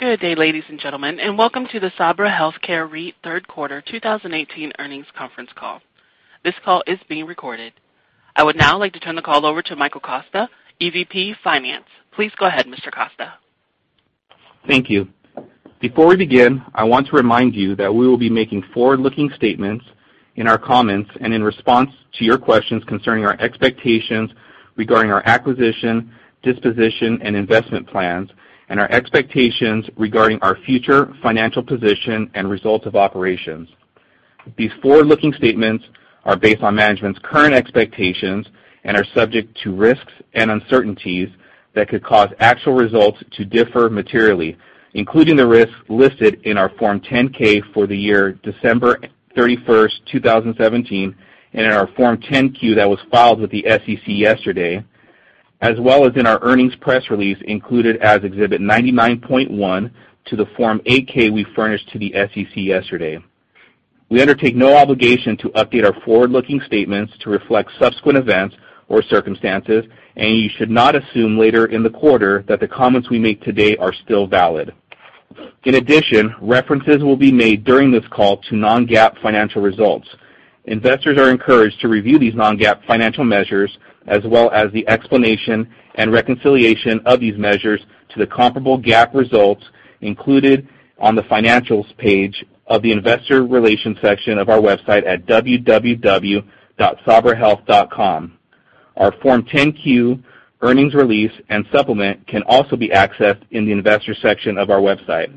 Good day, ladies and gentlemen, and welcome to the Sabra Health Care REIT third quarter 2018 earnings conference call. This call is being recorded. I would now like to turn the call over to Michael Costa, EVP Finance. Please go ahead, Mr. Costa. Thank you. Before we begin, I want to remind you that we will be making forward-looking statements in our comments and in response to your questions concerning our expectations regarding our acquisition, disposition, and investment plans, and our expectations regarding our future financial position and results of operations. These forward-looking statements are based on management's current expectations and are subject to risks and uncertainties that could cause actual results to differ materially, including the risks listed in our Form 10-K for the year December 31st, 2017, and in our Form 10-Q that was filed with the SEC yesterday, as well as in our earnings press release included as Exhibit 99.1 to the Form 8-K we furnished to the SEC yesterday. We undertake no obligation to update our forward-looking statements to reflect subsequent events or circumstances, and you should not assume later in the quarter that the comments we make today are still valid. In addition, references will be made during this call to non-GAAP financial results. Investors are encouraged to review these non-GAAP financial measures, as well as the explanation and reconciliation of these measures to the comparable GAAP results included on the Financials page of the Investor Relations section of our website at www.sabrahealth.com. Our Form 10-Q, earnings release, and supplement can also be accessed in the Investors section of our website.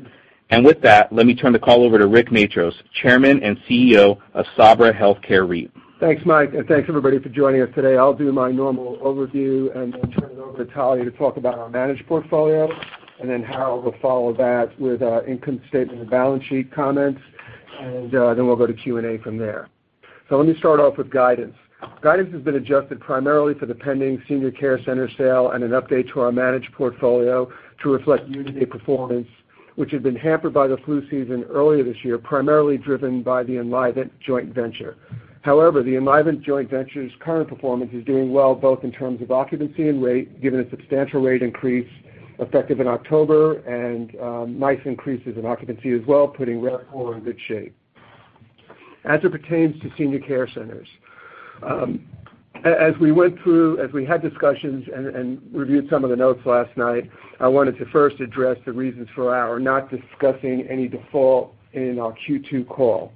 with that, let me turn the call over to Rick Matros, Chairman and CEO of Sabra Health Care REIT. Thanks, Mike, and thanks, everybody, for joining us today. I'll do my normal overview and then turn it over to Talya to talk about our managed portfolio, and then Harold will follow that with our income statement and balance sheet comments. then we'll go to Q&A from there. let me start off with guidance. Guidance has been adjusted primarily for the pending senior care center sale and an update to our managed portfolio to reflect year-to-date performance, which had been hampered by the flu season earlier this year, primarily driven by the Enlivant joint venture. However, the Enlivant joint venture's current performance is doing well, both in terms of occupancy and rate, given a substantial rate increase effective in October, and nice increases in occupancy as well, putting RevPAR in good shape. As it pertains to Senior Care Centers, as we went through, as we had discussions and reviewed some of the notes last night, I wanted to first address the reasons for our not discussing any default in our Q2 call.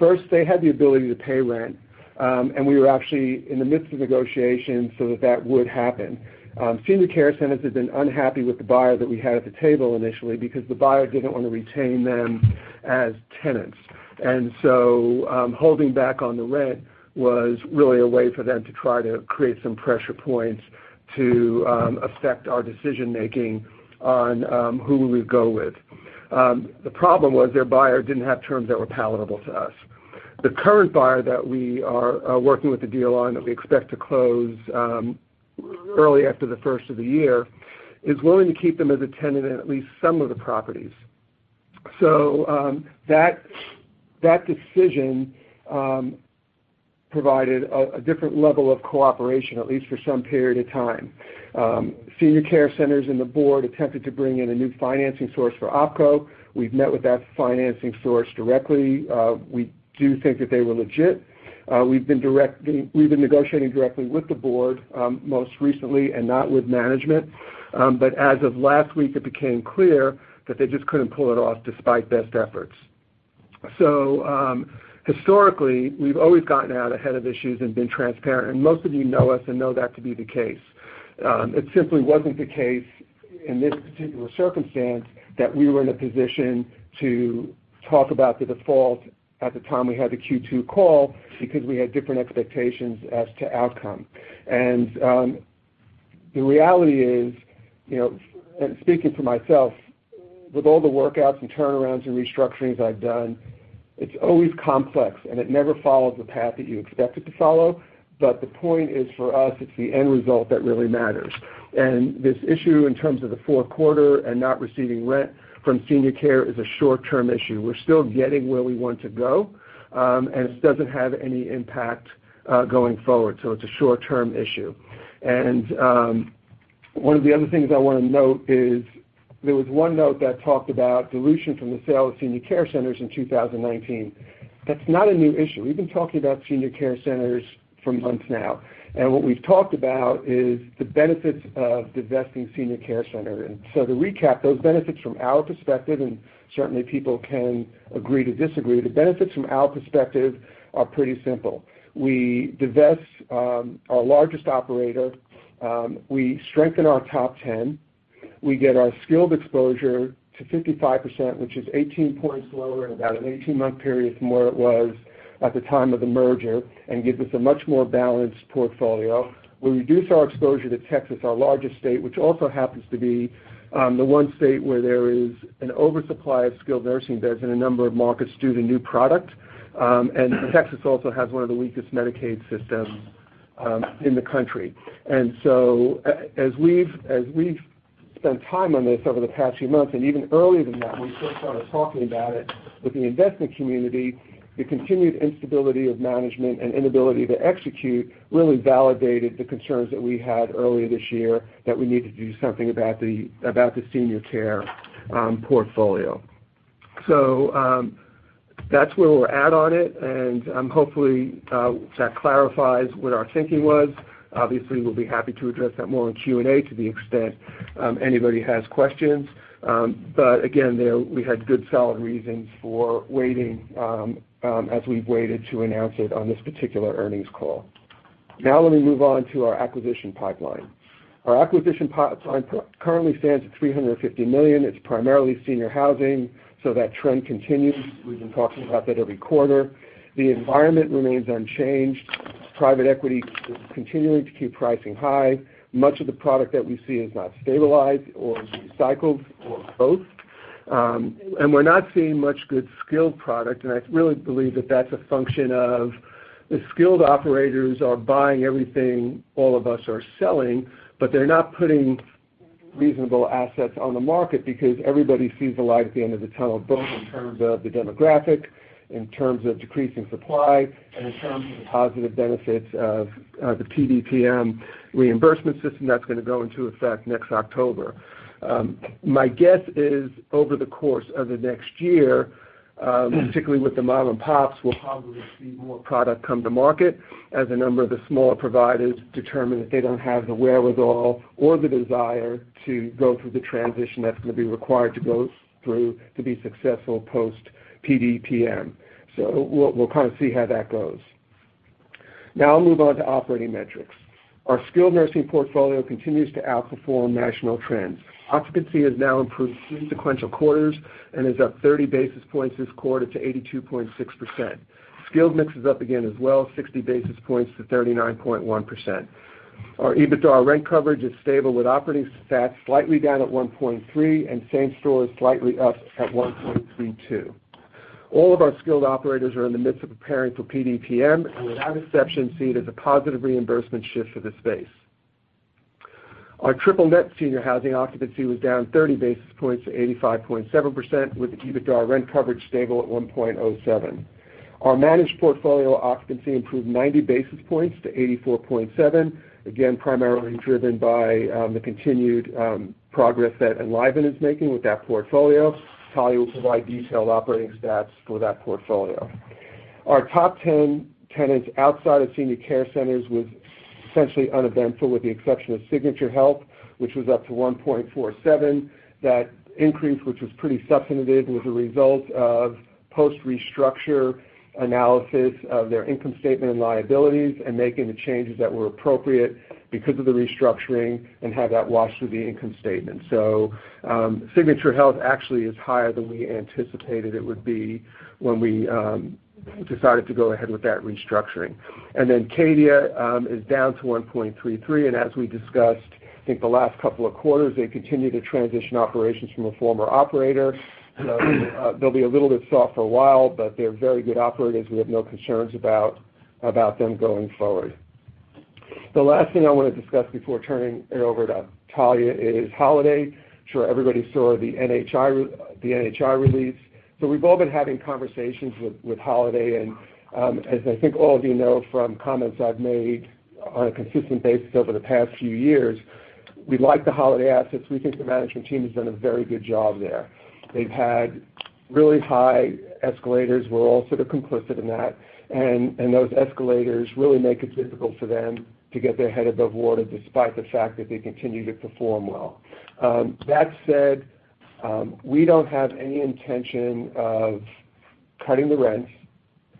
First, they had the ability to pay rent, and we were actually in the midst of negotiations so that that would happen. Senior Care Centers had been unhappy with the buyer that we had at the table initially because the buyer didn't want to retain them as tenants. So, holding back on the rent was really a way for them to try to create some pressure points to affect our decision-making on who we would go with. The problem was their buyer didn't have terms that were palatable to us. The current buyer that we are working with the deal on that we expect to close early after the first of the year, is willing to keep them as a tenant in at least some of the properties. So that decision provided a different level of cooperation, at least for some period of time. Senior Care Centers and the board attempted to bring in a new financing source for OpCo. We've met with that financing source directly. We do think that they were legit. We've been negotiating directly with the board most recently and not with management. As of last week, it became clear that they just couldn't pull it off despite best efforts. So historically, we've always gotten out ahead of issues and been transparent, and most of you know us and know that to be the case. It simply wasn't the case in this particular circumstance that we were in a position to talk about the default at the time we had the Q2 call because we had different expectations as to outcome. The reality is, and speaking for myself, with all the workouts and turnarounds and restructurings I've done, it's always complex, and it never follows the path that you expect it to follow. But the point is for us, it's the end result that really matters. This issue in terms of the fourth quarter and not receiving rent from Senior Care Centers is a short-term issue. We're still getting where we want to go, and it doesn't have any impact going forward. So it's a short-term issue. One of the other things I want to note is there was one note that talked about dilution from the sale of Senior Care Centers in 2019. That's not a new issue. We've been talking about Senior Care Centers for months now. What we've talked about is the benefits of divesting Senior Care Centers. So to recap, those benefits from our perspective, and certainly people can agree to disagree, the benefits from our perspective are pretty simple. We divest our largest operator, we strengthen our top 10, we get our skilled exposure to 55%, which is 18 points lower in about an 18-month period from where it was at the time of the merger, and gives us a much more balanced portfolio. We reduce our exposure to Texas, our largest state, which also happens to be the one state where there is an oversupply of skilled nursing beds in a number of markets due to new product. Texas also has one of the weakest Medicaid systems in the country. As we've spent time on this over the past few months and even earlier than that, when we first started talking about it with the investment community, the continued instability of management and inability to execute really validated the concerns that we had earlier this year that we needed to do something about the senior care portfolio. That's where we'll add on it, and hopefully that clarifies what our thinking was. Obviously, we'll be happy to address that more in Q&A to the extent anybody has questions. Again, we had good, solid reasons for waiting as we've waited to announce it on this particular earnings call. Let me move on to our acquisition pipeline. Our acquisition pipeline currently stands at $350 million. It's primarily senior housing, that trend continues. We've been talking about that every quarter. The environment remains unchanged. Private equity is continuing to keep pricing high. Much of the product that we see is not stabilized or recycled or both. We're not seeing much good skilled product, and I really believe that that's a function of the skilled operators are buying everything all of us are selling, but they're not putting reasonable assets on the market because everybody sees the light at the end of the tunnel, both in terms of the demographic, in terms of decreasing supply, and in terms of the positive benefits of the PDPM reimbursement system that's going to go into effect next October. My guess is over the course of the next year, particularly with the mom-and-pops, we'll probably see more product come to market as a number of the smaller providers determine that they don't have the wherewithal or the desire to go through the transition that's going to be required to go through to be successful post PDPM. We'll kind of see how that goes. I'll move on to operating metrics. Our skilled nursing portfolio continues to outperform national trends. Occupancy has now improved three sequential quarters and is up 30 basis points this quarter to 82.6%. Skilled mix is up again as well, 60 basis points to 39.1%. Our EBITDA rent coverage is stable, with operating stats slightly down at 1.3 and same store is slightly up at 1.32. All of our skilled operators are in the midst of preparing for PDPM and without exception see it as a positive reimbursement shift for the space. Our triple net senior housing occupancy was down 30 basis points to 85.7%, with EBITDA rent coverage stable at 1.07. Our managed portfolio occupancy improved 90 basis points to 84.7%, again, primarily driven by the continued progress that Enlivant is making with that portfolio. Talya will provide detailed operating stats for that portfolio. Our top 10 tenants outside of Senior Care Centers was essentially uneventful with the exception of Signature HealthCARE, which was up to 1.47. That increase, which was pretty substantive, was a result of post-restructure analysis of their income statement and liabilities and making the changes that were appropriate because of the restructuring and had that wash through the income statement. Signature HealthCARE actually is higher than we anticipated it would be when we decided to go ahead with that restructuring. Cadia Healthcare is down to 1.33, and as we discussed, I think the last couple of quarters, they continue to transition operations from a former operator. They'll be a little bit soft for a while, but they're very good operators. We have no concerns about them going forward. The last thing I want to discuss before turning it over to Talya is Holiday Retirement. Sure everybody saw the NHI release. We've all been having conversations with Holiday Retirement, and as I think all of you know from comments I've made on a consistent basis over the past few years, we like the Holiday Retirement assets. We think the management team has done a very good job there. They've had really high escalators. We're all sort of complicit in that. Those escalators really make it difficult for them to get their head above water, despite the fact that they continue to perform well. That said, we don't have any intention of cutting the rents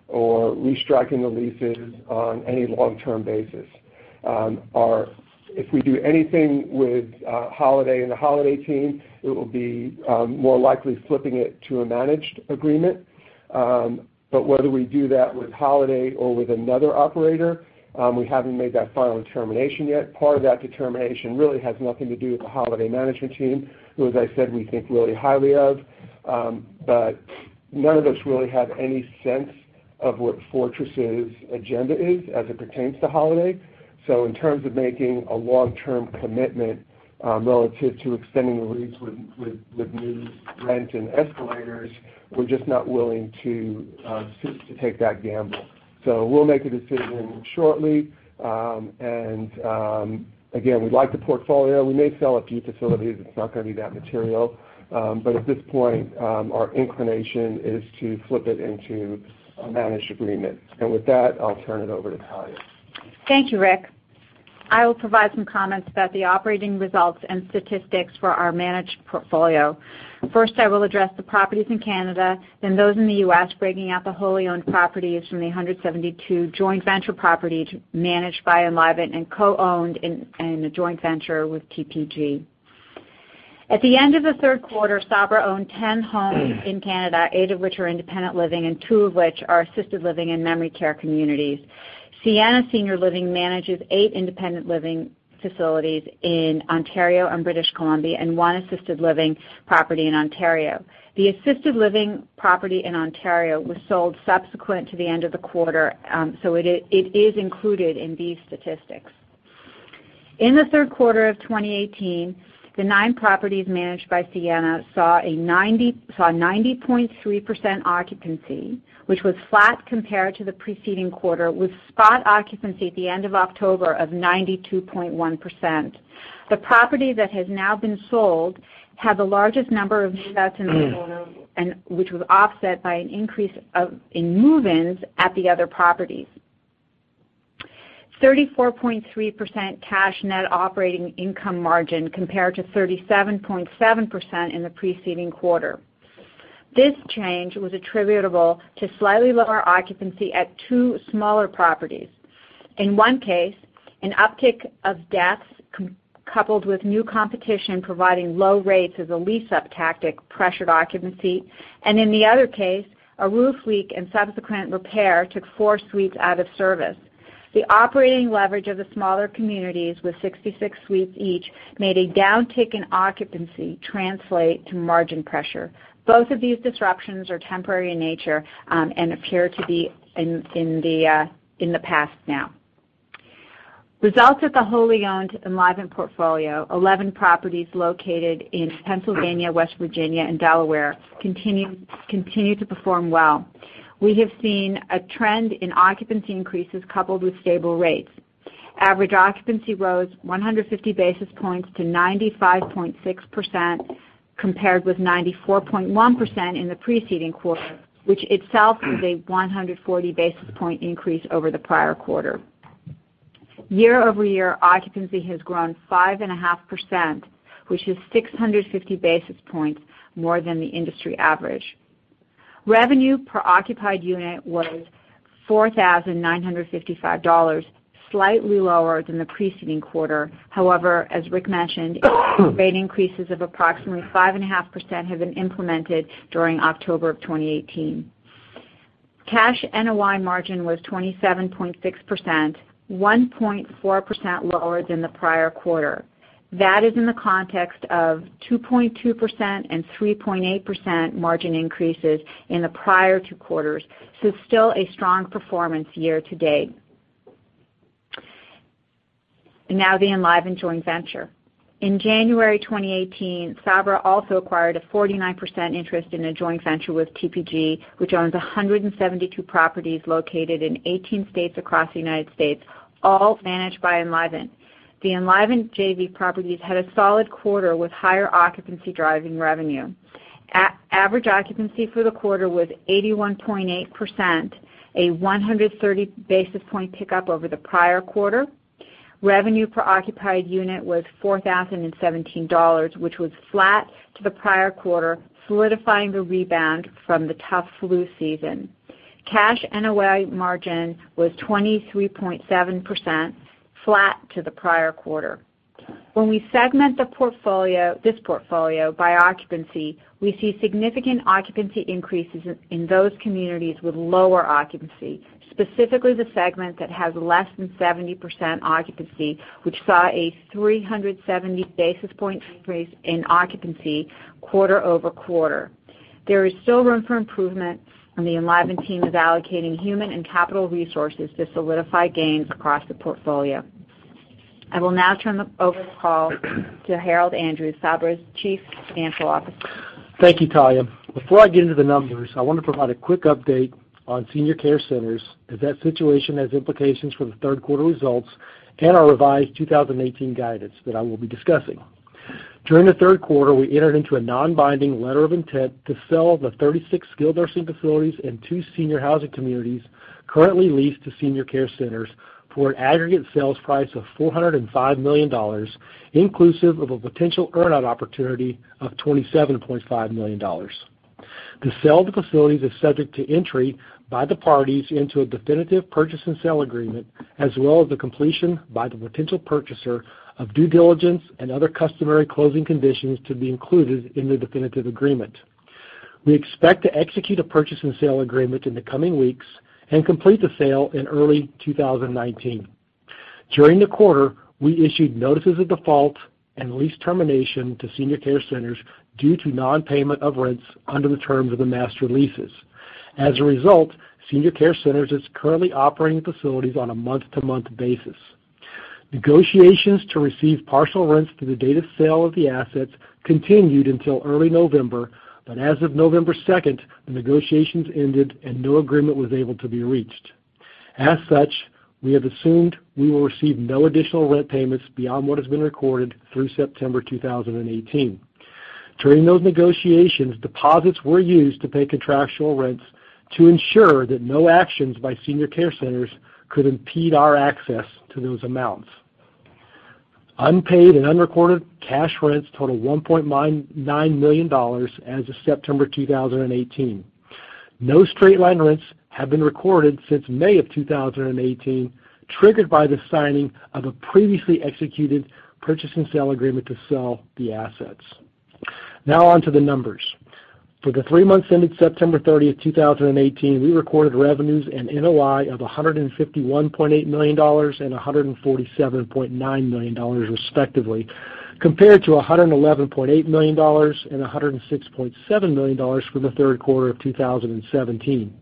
or restriking the leases on any long-term basis. If we do anything with Holiday Retirement and the Holiday Retirement team, it will be more likely flipping it to a managed agreement. Whether we do that with Holiday Retirement or with another operator, we haven't made that final determination yet. Part of that determination really has nothing to do with the Holiday Retirement management team, who, as I said, we think really highly of. None of us really have any sense of what Fortress's agenda is as it pertains to Holiday Retirement. In terms of making a long-term commitment relative to extending the lease with new rent and escalators, we're just not willing to take that gamble. We'll make a decision shortly. Again, we like the portfolio. We may sell a few facilities. It's not going to be that material. At this point, our inclination is to flip it into a managed agreement. With that, I'll turn it over to Talya. Thank you, Rick. I will provide some comments about the operating results and statistics for our managed portfolio. First, I will address the properties in Canada, then those in the U.S., breaking out the wholly owned properties from the 172 joint venture properties managed by Enlivant and co-owned in a joint venture with TPG. At the end of the third quarter, Sabra owned 10 homes in Canada, eight of which are independent living and two of which are assisted living and memory care communities. Sienna Senior Living manages eight independent living facilities in Ontario and British Columbia and one assisted living property in Ontario. The assisted living property in Ontario was sold subsequent to the end of the quarter. It is included in these statistics. In the third quarter of 2018, the nine properties managed by Sienna saw 90.3% occupancy, which was flat compared to the preceding quarter, with spot occupancy at the end of October of 92.1%. The property that has now been sold had the largest number of move-outs in the quarter, which was offset by an increase in move-ins at the other properties. 34.3% cash net operating income margin, compared to 37.7% in the preceding quarter. This change was attributable to slightly lower occupancy at two smaller properties. In one case, an uptick of deaths coupled with new competition providing low rates as a lease-up tactic pressured occupancy, and in the other case, a roof leak and subsequent repair took four suites out of service. The operating leverage of the smaller communities with 66 suites each made a downtick in occupancy translate to margin pressure. Both of these disruptions are temporary in nature and appear to be in the past now. Results at the wholly owned Enlivant portfolio, 11 properties located in Pennsylvania, West Virginia, and Delaware, continue to perform well. We have seen a trend in occupancy increases coupled with stable rates. Average occupancy rose 150 basis points to 95.6%, compared with 94.1% in the preceding quarter, which itself is a 140 basis point increase over the prior quarter. Year-over-year, occupancy has grown 5.5%, which is 650 basis points more than the industry average. Revenue per occupied unit was $4,955, slightly lower than the preceding quarter. However, as Rick mentioned, rate increases of approximately 5.5% have been implemented during October of 2018. Cash NOI margin was 27.6%, 1.4% lower than the prior quarter. That is in the context of 2.2% and 3.8% margin increases in the prior two quarters, still a strong performance year-to-date. The Enlivant joint venture. In January 2018, Sabra also acquired a 49% interest in a joint venture with TPG, which owns 172 properties located in 18 states across the United States, all managed by Enlivant. The Enlivant JV properties had a solid quarter with higher occupancy driving revenue. Average occupancy for the quarter was 81.8%, a 130 basis point pickup over the prior quarter. Revenue per occupied unit was $4,017, which was flat to the prior quarter, solidifying the rebound from the tough flu season. Cash NOI margin was 23.7%, flat to the prior quarter. When we segment this portfolio by occupancy, we see significant occupancy increases in those communities with lower occupancy, specifically the segment that has less than 70% occupancy, which saw a 370 basis point increase in occupancy quarter-over-quarter. There is still room for improvement, the Enlivant team is allocating human and capital resources to solidify gains across the portfolio. I will now turn over the call to Harold Andrews, Sabra's Chief Financial Officer. Thank you, Talya. Before I get into the numbers, I want to provide a quick update on Senior Care Centers, as that situation has implications for the third quarter results and our revised 2018 guidance that I will be discussing. During the third quarter, we entered into a non-binding letter of intent to sell the 36 skilled nursing facilities and two senior housing communities currently leased to Senior Care Centers for an aggregate sales price of $405 million, inclusive of a potential earn-out opportunity of $27.5 million. The sale of the facilities is subject to entry by the parties into a definitive purchase and sale agreement, as well as the completion by the potential purchaser of due diligence and other customary closing conditions to be included in the definitive agreement. We expect to execute a purchase and sale agreement in the coming weeks and complete the sale in early 2019. During the quarter, we issued notices of default and lease termination to Senior Care Centers due to non-payment of rents under the terms of the master leases. As a result, Senior Care Centers is currently operating the facilities on a month-to-month basis. Negotiations to receive partial rents through the date of sale of the assets continued until early November. As of November 2nd, the negotiations ended and no agreement was able to be reached. As such, we have assumed we will receive no additional rent payments beyond what has been recorded through September 2018. During those negotiations, deposits were used to pay contractual rents to ensure that no actions by Senior Care Centers could impede our access to those amounts. Unpaid and unrecorded cash rents total $1.9 million as of September 2018. No straight-line rents have been recorded since May of 2018, triggered by the signing of a previously executed purchase and sale agreement to sell the assets. Now on to the numbers. For the three months ended September 30th, 2018, we recorded revenues and NOI of $151.8 million and $147.9 million respectively, compared to $111.8 million and $106.7 million for the third quarter of 2017.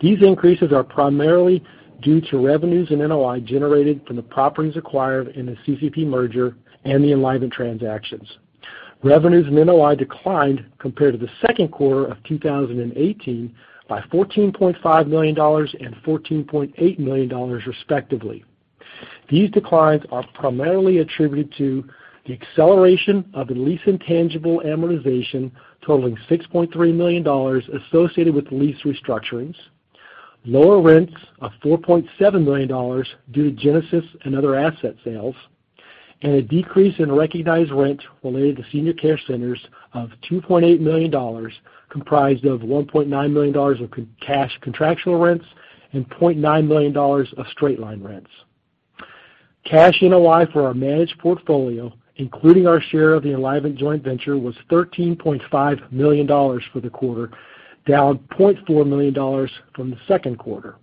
These increases are primarily due to revenues and NOI generated from the properties acquired in the CCP merger and the Enlivant transactions. Revenues and NOI declined compared to the second quarter of 2018 by $14.5 million and $14.8 million respectively. These declines are primarily attributed to the acceleration of the lease intangible amortization totaling $6.3 million associated with the lease restructurings, lower rents of $4.7 million due to Genesis and other asset sales, and a decrease in recognized rent related to Senior Care Centers of $2.8 million, comprised of $1.9 million of cash contractual rents and $0.9 million of straight-line rents. Cash NOI for our managed portfolio, including our share of the Enlivant joint venture, was $13.5 million for the quarter, down $0.4 million from the second quarter.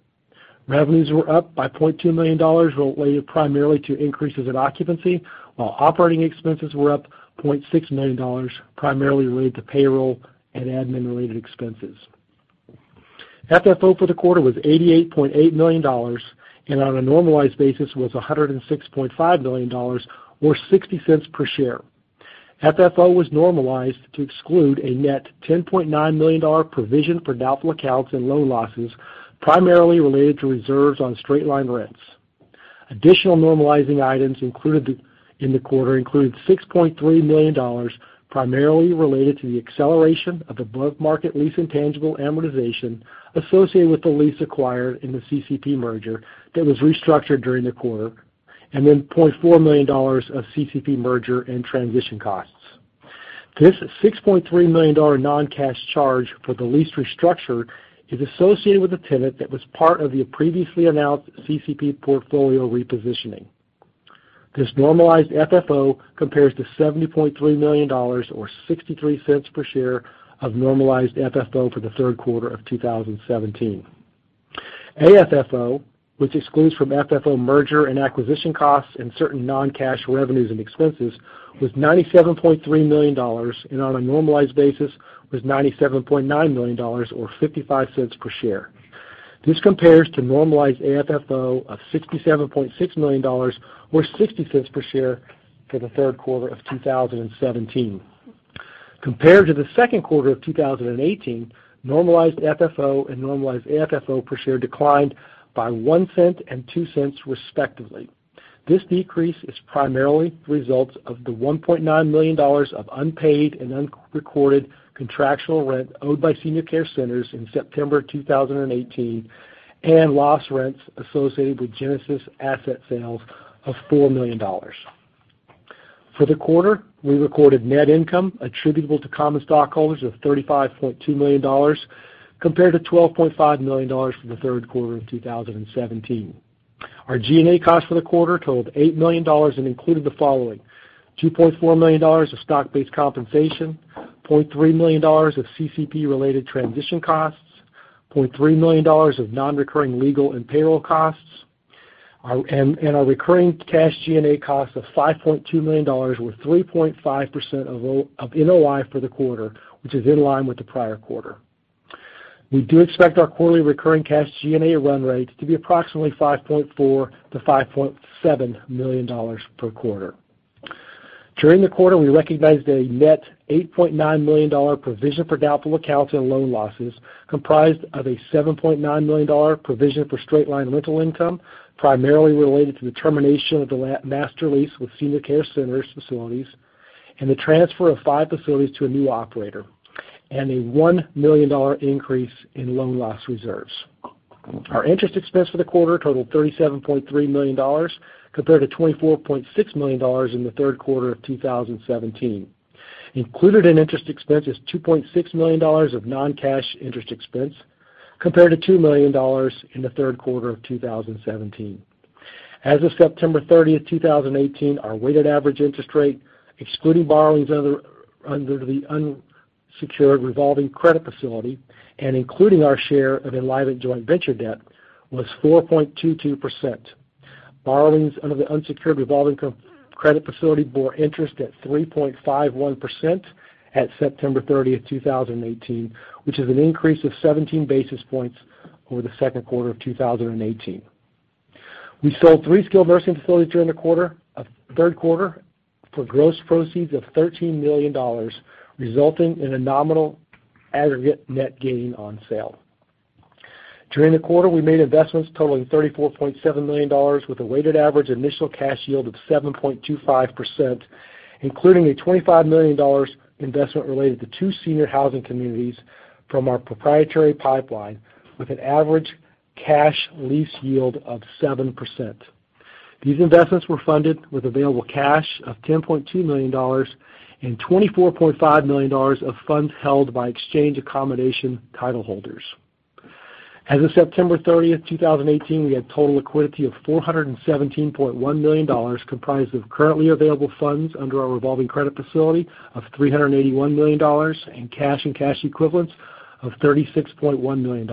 Revenues were up by $0.2 million related primarily to increases in occupancy, while operating expenses were up $0.6 million, primarily related to payroll and admin related expenses. FFO for the quarter was $88.8 million, and on a normalized basis was $106.5 million, or $0.60 per share. FFO was normalized to exclude a net $10.9 million provision for doubtful accounts and loan losses, primarily related to reserves on straight-line rents. Additional normalizing items in the quarter include $6.3 million, primarily related to the acceleration of above-market lease intangible amortization associated with the lease acquired in the CCP merger that was restructured during the quarter, $0.4 million of CCP merger and transition costs. This $6.3 million non-cash charge for the lease restructure is associated with a tenant that was part of the previously announced CCP portfolio repositioning. This normalized FFO compares to $70.3 million or $0.63 per share of normalized FFO for the third quarter of 2017. AFFO, which excludes from FFO merger and acquisition costs and certain non-cash revenues and expenses, was $97.3 million, and on a normalized basis was $97.9 million or $0.55 per share. This compares to normalized AFFO of $67.6 million or $0.60 per share for the third quarter of 2017. Compared to the second quarter of 2018, normalized FFO and normalized AFFO per share declined by $0.01 and $0.02 respectively. This decrease is primarily the result of the $1.9 million of unpaid and unrecorded contractual rent owed by Senior Care Centers in September 2018, and loss rents associated with Genesis asset sales of $4 million. For the quarter, we recorded net income attributable to common stockholders of $35.2 million, compared to $12.5 million for the third quarter of 2017. Our G&A costs for the quarter totaled $8 million and included the following: $2.4 million of stock-based compensation, $0.3 million of CCP-related transition costs, $0.3 million of non-recurring legal and payroll costs, and our recurring cash G&A cost of $5.2 million, or 3.5% of NOI for the quarter, which is in line with the prior quarter. We do expect our quarterly recurring cash G&A run rate to be approximately $5.4 million-$5.7 million per quarter. During the quarter, we recognized a net $8.9 million provision for doubtful accounts and loan losses, comprised of a $7.9 million provision for straight-line rental income, primarily related to the termination of the master lease with Senior Care Centers facilities and the transfer of five facilities to a new operator, and a $1 million increase in loan loss reserves. Our interest expense for the quarter totaled $37.3 million, compared to $24.6 million in the third quarter of 2017. Included in interest expense is $2.6 million of non-cash interest expense, compared to $2 million in the third quarter of 2017. As of September 30, 2018, our weighted average interest rate, excluding borrowings under the unsecured revolving credit facility and including our share of Enlivant joint venture debt, was 4.22%. Borrowings under the unsecured revolving credit facility bore interest at 3.51% at September 30, 2018, which is an increase of 17 basis points over the second quarter of 2018. We sold three skilled nursing facilities during the third quarter for gross proceeds of $13 million, resulting in a nominal aggregate net gain on sale. During the quarter, we made investments totaling $34.7 million with a weighted average initial cash yield of 7.25%, including a $25 million investment related to two senior housing communities from our proprietary pipeline with an average cash lease yield of 7%. These investments were funded with available cash of $10.2 million and $24.5 million of funds held by exchange accommodation titleholders. As of September 30, 2018, we had total liquidity of $417.1 million, comprised of currently available funds under our revolving credit facility of $381 million and cash and cash equivalents of $36.1 million.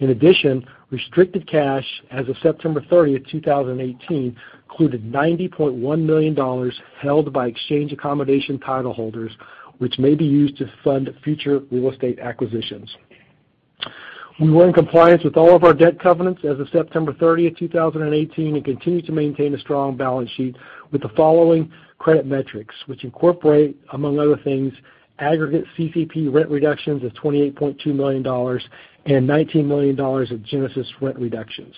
In addition, restricted cash as of September 30, 2018, included $90.1 million held by exchange accommodation titleholders, which may be used to fund future real estate acquisitions. We were in compliance with all of our debt covenants as of September 30, 2018, and continue to maintain a strong balance sheet with the following credit metrics, which incorporate, among other things, aggregate CCP rent reductions of $28.2 million and $19 million of Genesis rent reductions.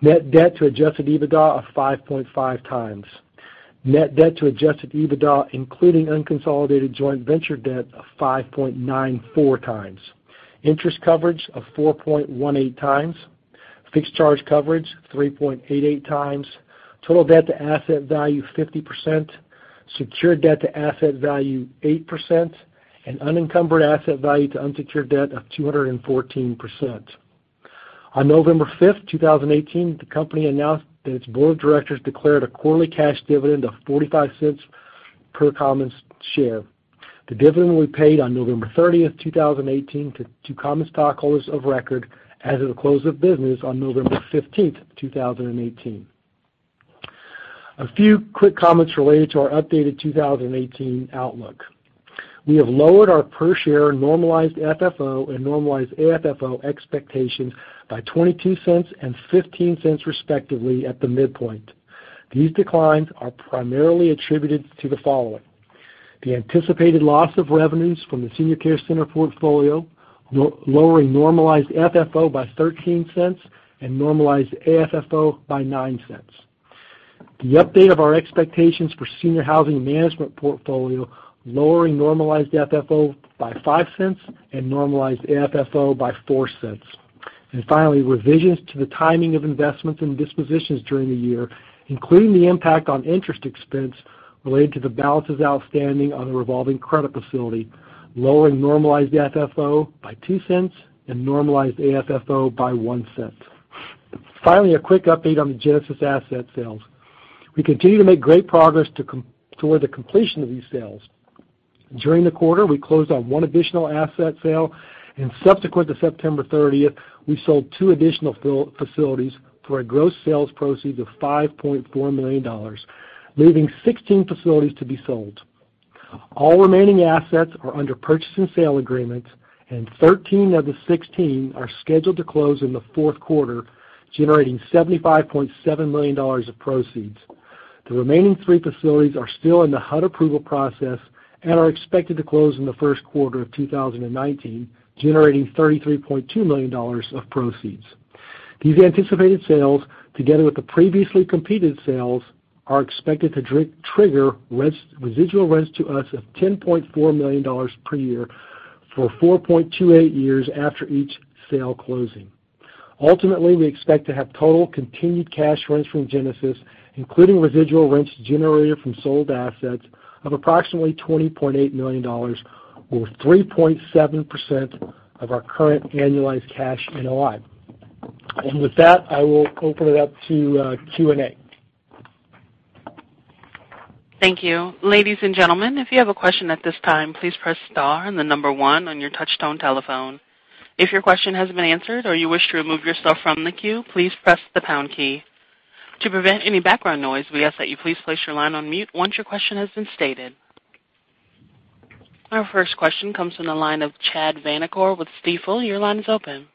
Net debt to adjusted EBITDA of 5.5 times. Net debt to adjusted EBITDA, including unconsolidated joint venture debt of 5.94 times. Interest coverage of 4.18 times. Fixed charge coverage 3.88 times. Total debt to asset value 50%. Secured debt to asset value 8%, and unencumbered asset value to unsecured debt of 214%. On November 5th, 2018, the company announced that its board of directors declared a quarterly cash dividend of $0.45 per common share. The dividend will be paid on November 30th, 2018, to common stockholders of record as of the close of business on November 15th, 2018. A few quick comments related to our updated 2018 outlook. We have lowered our per share normalized FFO and normalized AFFO expectations by $0.22 and $0.15, respectively, at the midpoint. These declines are primarily attributed to the following. The anticipated loss of revenues from the Senior Care Centers portfolio, lowering normalized FFO by $0.13 and normalized AFFO by $0.09. The update of our expectations for managed senior housing portfolio, lowering normalized FFO by $0.05 and normalized AFFO by $0.04. Finally, revisions to the timing of investments and dispositions during the year, including the impact on interest expense related to the balances outstanding on the revolving credit facility, lowering normalized FFO by $0.02 and normalized AFFO by $0.01. Finally, a quick update on the Genesis asset sales. We continue to make great progress toward the completion of these sales. During the quarter, we closed on one additional asset sale, and subsequent to September 30th, we sold two additional facilities for a gross sales proceed of $5.4 million, leaving 16 facilities to be sold. All remaining assets are under purchase and sale agreements, and 13 of the 16 are scheduled to close in the fourth quarter, generating $75.7 million of proceeds. The remaining three facilities are still in the HUD approval process and are expected to close in the first quarter of 2019, generating $33.2 million of proceeds. These anticipated sales, together with the previously completed sales, are expected to trigger residual rents to us of $10.4 million per year for 4.28 years after each sale closing. Ultimately, we expect to have total continued cash rents from Genesis, including residual rents generated from sold assets, of approximately $20.8 million or 3.7% of our current annualized cash NOI. With that, I will open it up to Q&A. Thank you. Ladies and gentlemen, if you have a question at this time, please press star and the number one on your touchtone telephone. If your question has been answered or you wish to remove yourself from the queue, please press the pound key. To prevent any background noise, we ask that you please place your line on mute once your question has been stated. Our first question comes from the line of Chad Vanacore with Stifel. Your line is open.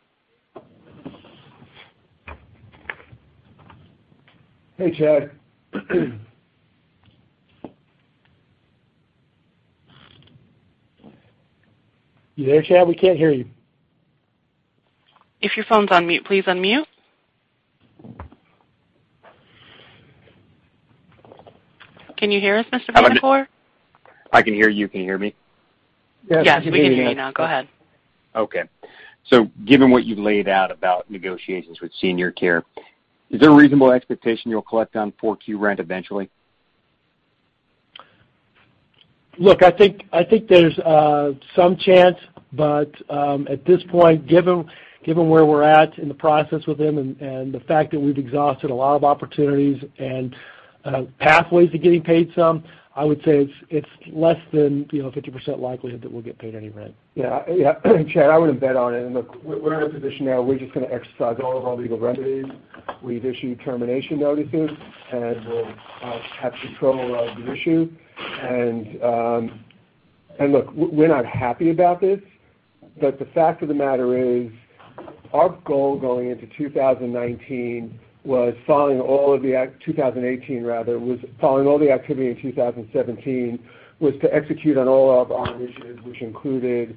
Hey, Chad. You there, Chad? We can't hear you. If your phone's on mute, please unmute. Can you hear us, Mr. Vanacore? I can hear you. Can you hear me? Yes, we can hear you now. Go ahead. Okay. Given what you laid out about negotiations with Senior Care, is there a reasonable expectation you'll collect on 4Q rent eventually? Look, I think there's some chance, at this point, given where we're at in the process with them and the fact that we've exhausted a lot of opportunities and pathways to getting paid some, I would say it's less than 50% likelihood that we'll get paid any rent. Yeah. Chad, I wouldn't bet on it. Look, we're in a position now where we're just going to exercise all of our legal remedies. We've issued termination notices. We'll have control of the issue. Look, we're not happy about this. The fact of the matter is our goal going into 2019 was following all of the 2018 rather, was following all the activity in 2017, was to execute on all of our initiatives, which included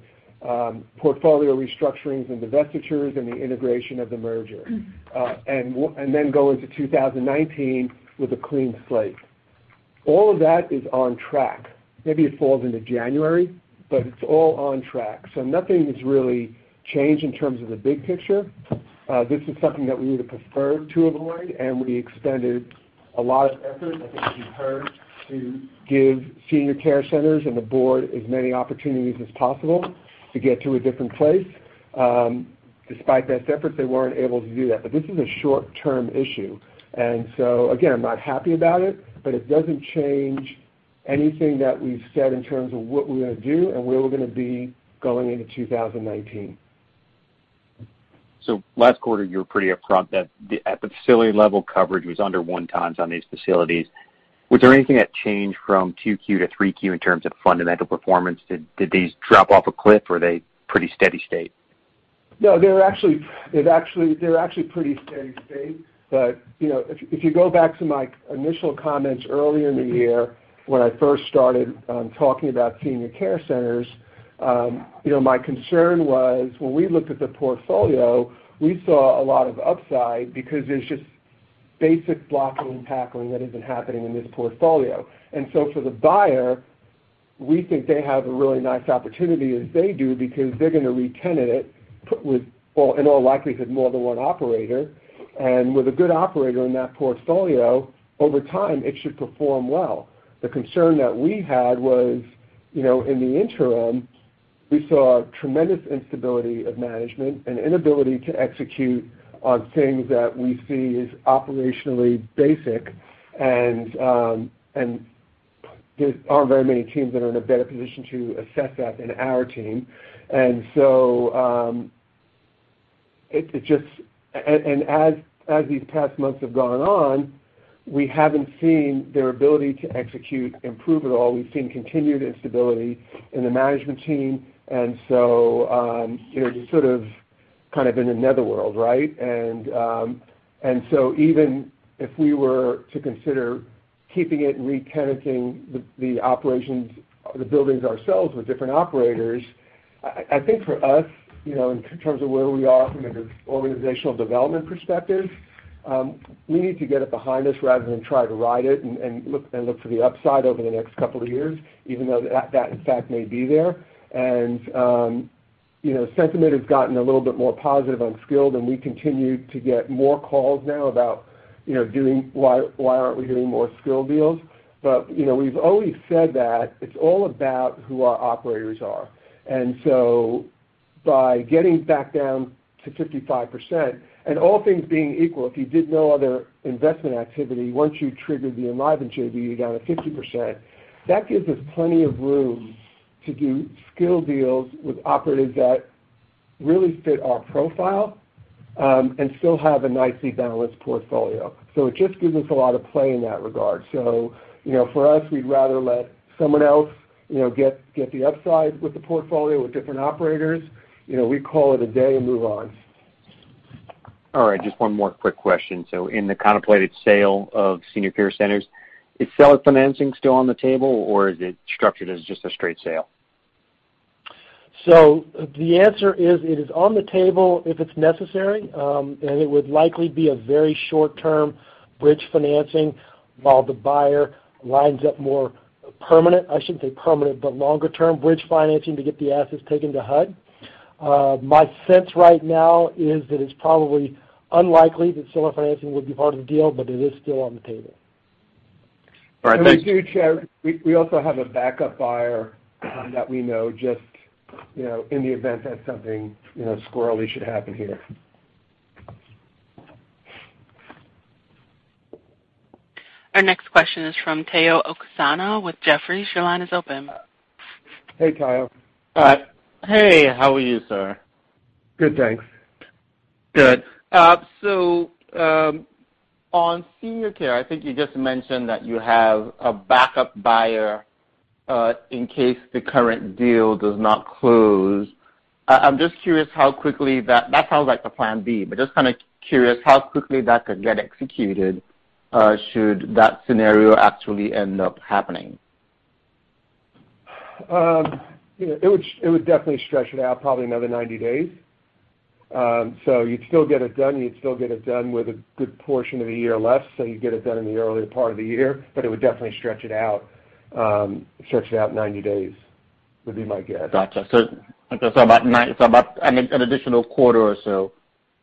portfolio restructurings and divestitures and the integration of the merger. Then go into 2019 with a clean slate. All of that is on track. Maybe it falls into January. It's all on track. Nothing has really changed in terms of the big picture. This is something that we would have preferred to avoid. We expended a lot of effort, I think as you've heard, to give Senior Care Centers and the board as many opportunities as possible to get to a different place. Despite best efforts, they weren't able to do that. This is a short-term issue. Again, I'm not happy about it. It doesn't change anything that we've said in terms of what we're going to do and where we're going to be going into 2019. Last quarter, you were pretty upfront that at the facility level, coverage was under one times on these facilities. Was there anything that changed from 2Q to 3Q in terms of fundamental performance? Did these drop off a cliff? Are they pretty steady state? No, they're actually pretty steady state. If you go back to my initial comments earlier in the year when I first started talking about Senior Care Centers, my concern was, when we looked at the portfolio, we saw a lot of upside because there's just basic blocking and tackling that isn't happening in this portfolio. For the buyer, we think they have a really nice opportunity as they do, because they're going to re-tenant it, put with, in all likelihood, more than one operator. With a good operator in that portfolio, over time, it should perform well. The concern that we had was, in the interim, we saw tremendous instability of management and inability to execute on things that we see as operationally basic. There aren't very many teams that are in a better position to assess that than our team. As these past months have gone on, we haven't seen their ability to execute improve at all. We've seen continued instability in the management team just sort of, kind of in a nether world, right? Even if we were to consider keeping it and re-tenanting the operations of the buildings ourselves with different operators, I think for us, in terms of where we are from an organizational development perspective, we need to get it behind us rather than try to ride it and look for the upside over the next couple of years, even though that in fact may be there. Sentiment has gotten a little bit more positive on skilled, and we continue to get more calls now about, why aren't we doing more skilled deals. We've always said that it's all about who our operators are. By getting back down to 55%, and all things being equal, if you did no other investment activity, once you triggered the Enlivant JV, you're down to 50%. That gives us plenty of room to do skilled deals with operators that really fit our profile, and still have a nicely balanced portfolio. It just gives us a lot of play in that regard. For us, we'd rather let someone else get the upside with the portfolio with different operators. We call it a day and move on. All right, just one more quick question. In the contemplated sale of Senior Care Centers, is seller financing still on the table, or is it structured as just a straight sale? The answer is, it is on the table if it's necessary, and it would likely be a very short-term bridge financing while the buyer lines up more permanent, I shouldn't say permanent, but longer-term bridge financing to get the assets taken to HUD. My sense right now is that it's probably unlikely that seller financing would be part of the deal, but it is still on the table. All right, thanks. We also have a backup buyer that we know just, in the event that something squirrely should happen here. Our next question is from Omotayo Okusanya with Jefferies. Your line is open. Hey, Tayo. Hi. Hey, how are you, sir? Good, thanks. Good. On senior care, I think you just mentioned that you have a backup buyer, in case the current deal does not close. I'm just curious how quickly that sounds like a plan B, but just kind of curious how quickly that could get executed, should that scenario actually end up happening. It would definitely stretch it out probably another 90 days. You'd still get it done, and you'd still get it done with a good portion of the year left, so you'd get it done in the earlier part of the year, but it would definitely stretch it out 90 days, would be my guess. Gotcha. I guess, about an additional quarter or so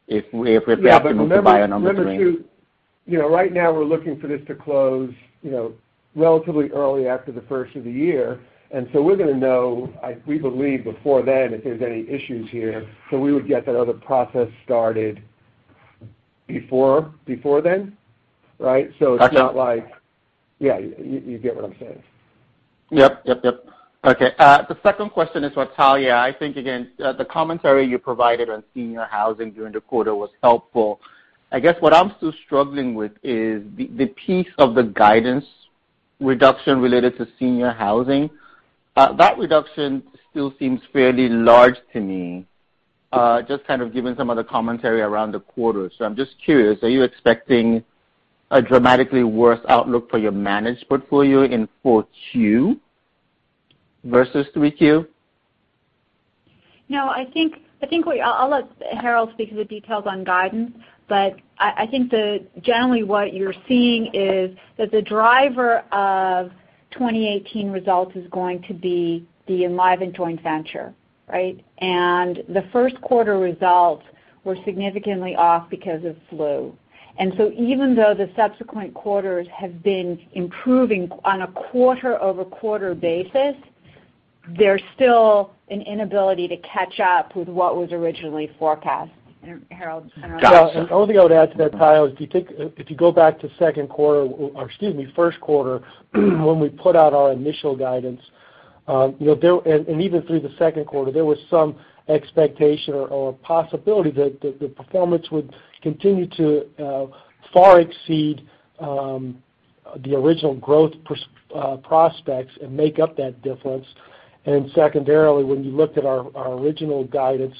if we have to find another buyer on the- Yeah, remember too, right now we're looking for this to close relatively early after the first of the year, we're going to know, we believe before then, if there's any issues here. We would get that other process started before then, right? It's not like Yeah, you get what I'm saying. Yep. Okay. The second question is for Talya. I think, again, the commentary you provided on senior housing during the quarter was helpful. I guess what I'm still struggling with is the piece of the guidance reduction related to senior housing. That reduction still seems fairly large to me, just kind of given some of the commentary around the quarter. I'm just curious, are you expecting a dramatically worse outlook for your managed portfolio in four Q versus three Q? No, I think I'll let Harold speak to the details on guidance, I think generally what you're seeing is that the driver of 2018 results is going to be the Enlivant Joint Venture, right? The first quarter results were significantly off because of flu. Even though the subsequent quarters have been improving on a quarter-over-quarter basis, there's still an inability to catch up with what was originally forecast. Harold, do you want to- The only thing I would add to that, Tayo, is if you go back to first quarter, when we put out our initial guidance Even through the second quarter, there was some expectation or possibility that the performance would continue to far exceed the original growth prospects and make up that difference. Secondarily, when you looked at our original guidance,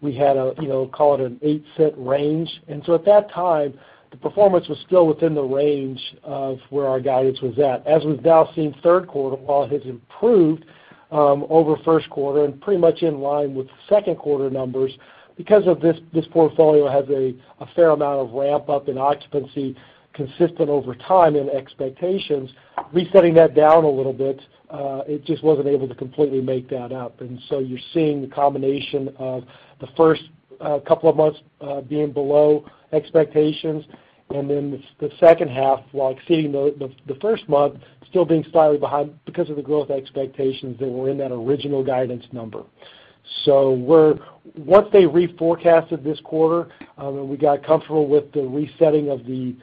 we had a, call it an $0.08 range. At that time, the performance was still within the range of where our guidance was at. As we've now seen, third quarter, while it has improved over first quarter and pretty much in line with the second quarter numbers, because this portfolio has a fair amount of ramp-up in occupancy consistent over time and expectations, resetting that down a little bit, it just wasn't able to completely make that up. You're seeing the combination of the first couple of months being below expectations, and then the second half, while exceeding the first month, still being slightly behind because of the growth expectations that were in that original guidance number. Once they reforecasted this quarter, and we got comfortable with the resetting of the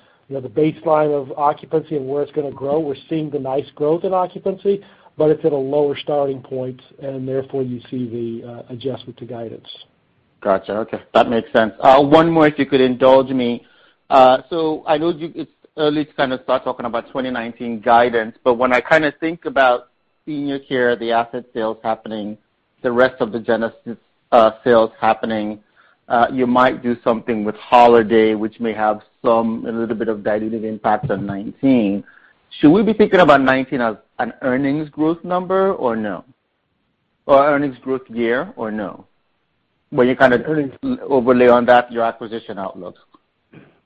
baseline of occupancy and where it's going to grow, we're seeing the nice growth in occupancy, but it's at a lower starting point, and therefore you see the adjustment to guidance. Got you. Okay. That makes sense. One more if you could indulge me. I know it's early to start talking about 2019 guidance, but when I think about Senior Care, the asset sales happening, the rest of the Genesis sales happening, you might do something with Holiday, which may have a little bit of dilutive impact on 2019. Should we be thinking about 2019 as an earnings growth number, or no? Or earnings growth year, or no? Where you kind of overlay on that your acquisition outlook.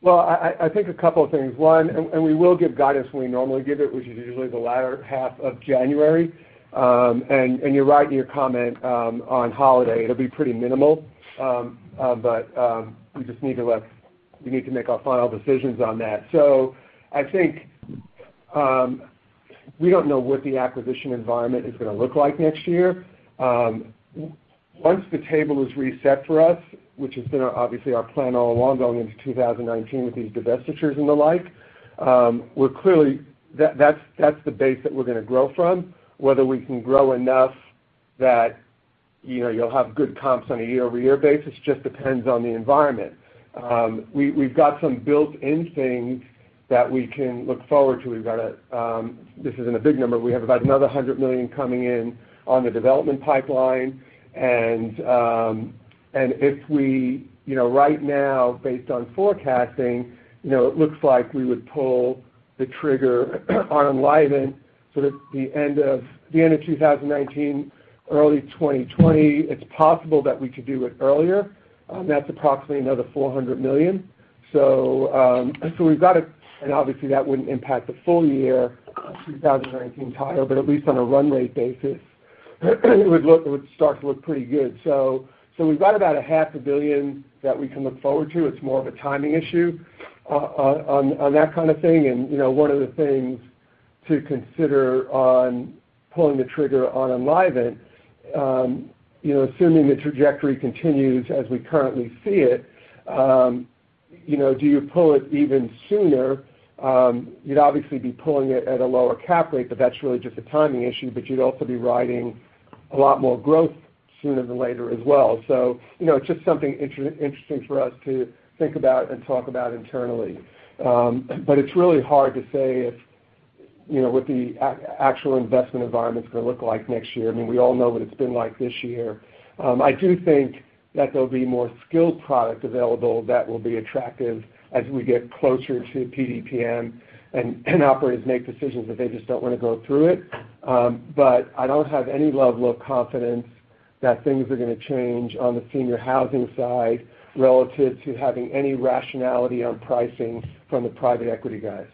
I think a couple of things. One, we will give guidance when we normally give it, which is usually the latter half of January. You're right in your comment on Holiday. It'll be pretty minimal, but we just need to make our final decisions on that. I think we don't know what the acquisition environment is going to look like next year. Once the table is reset for us, which has been obviously our plan all along going into 2019 with these divestitures and the like, we're clearly. That's the base that we're going to grow from. Whether we can grow enough that you'll have good comps on a year-over-year basis just depends on the environment. We've got some built-in things that we can look forward to. This isn't a big number. We have about another $100 million coming in on the development pipeline. If we, right now, based on forecasting, it looks like we would pull the trigger on Enlivant sort of the end of 2019, early 2020. It's possible that we could do it earlier. That's approximately another $400 million. Obviously, that wouldn't impact the full year 2019 total, but at least on a run rate basis, it would start to look pretty good. We've got about a half a billion that we can look forward to. It's more of a timing issue on that kind of thing. One of the things to consider on pulling the trigger on Enlivant, assuming the trajectory continues as we currently see it, do you pull it even sooner? You'd obviously be pulling it at a lower cap rate, but that's really just a timing issue, but you'd also be riding a lot more growth sooner than later as well. It's just something interesting for us to think about and talk about internally. It's really hard to say what the actual investment environment's going to look like next year. I mean, we all know what it's been like this year. I do think that there'll be more skilled product available that will be attractive as we get closer to PDPM and operators make decisions that they just don't want to go through it. I don't have any level of confidence that things are going to change on the senior housing side relative to having any rationality on pricing from the private equity guys.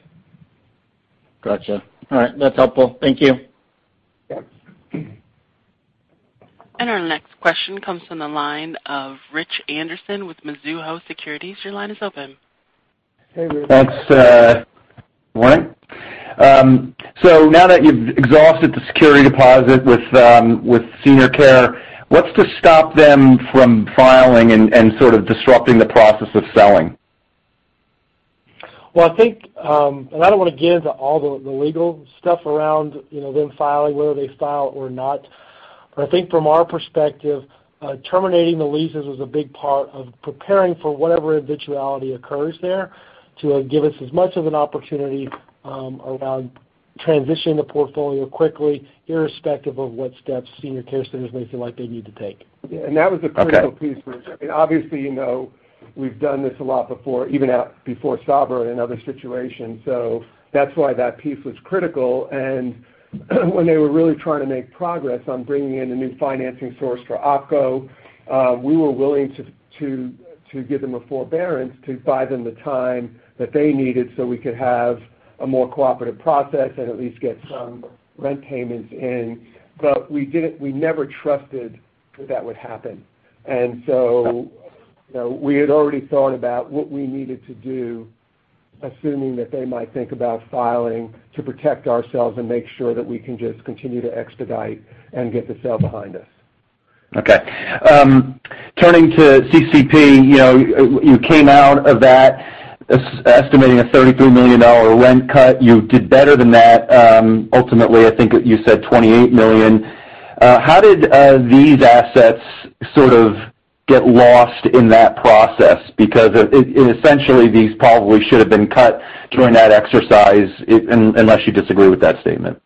Got you. All right. That's helpful. Thank you. Yes. Our next question comes from the line of Rich Anderson with Mizuho Securities. Your line is open. Hey, Rich. Thanks. Morning. Now that you've exhausted the security deposit with Senior Care, what's to stop them from filing and sort of disrupting the process of selling? I think, I don't want to get into all the legal stuff around them filing, whether they file or not, I think from our perspective, terminating the leases was a big part of preparing for whatever eventuality occurs there to give us as much of an opportunity around transitioning the portfolio quickly, irrespective of what steps Senior Care Centers may feel like they need to take. That was a critical piece, Rich. I mean, obviously, we've done this a lot before, even before Sovereign and other situations. That's why that piece was critical. When they were really trying to make progress on bringing in a new financing source for OpCo, we were willing to give them a forbearance to buy them the time that they needed so we could have a more cooperative process and at least get some rent payments in. We never trusted that that would happen. We had already thought about what we needed to do, assuming that they might think about filing to protect ourselves and make sure that we can just continue to expedite and get the sale behind us. Okay. Turning to CCP, you came out of that estimating a $33 million rent cut. You did better than that. Ultimately, I think you said $28 million. How did these assets sort of get lost in that process? Essentially, these probably should have been cut during that exercise, unless you disagree with that statement.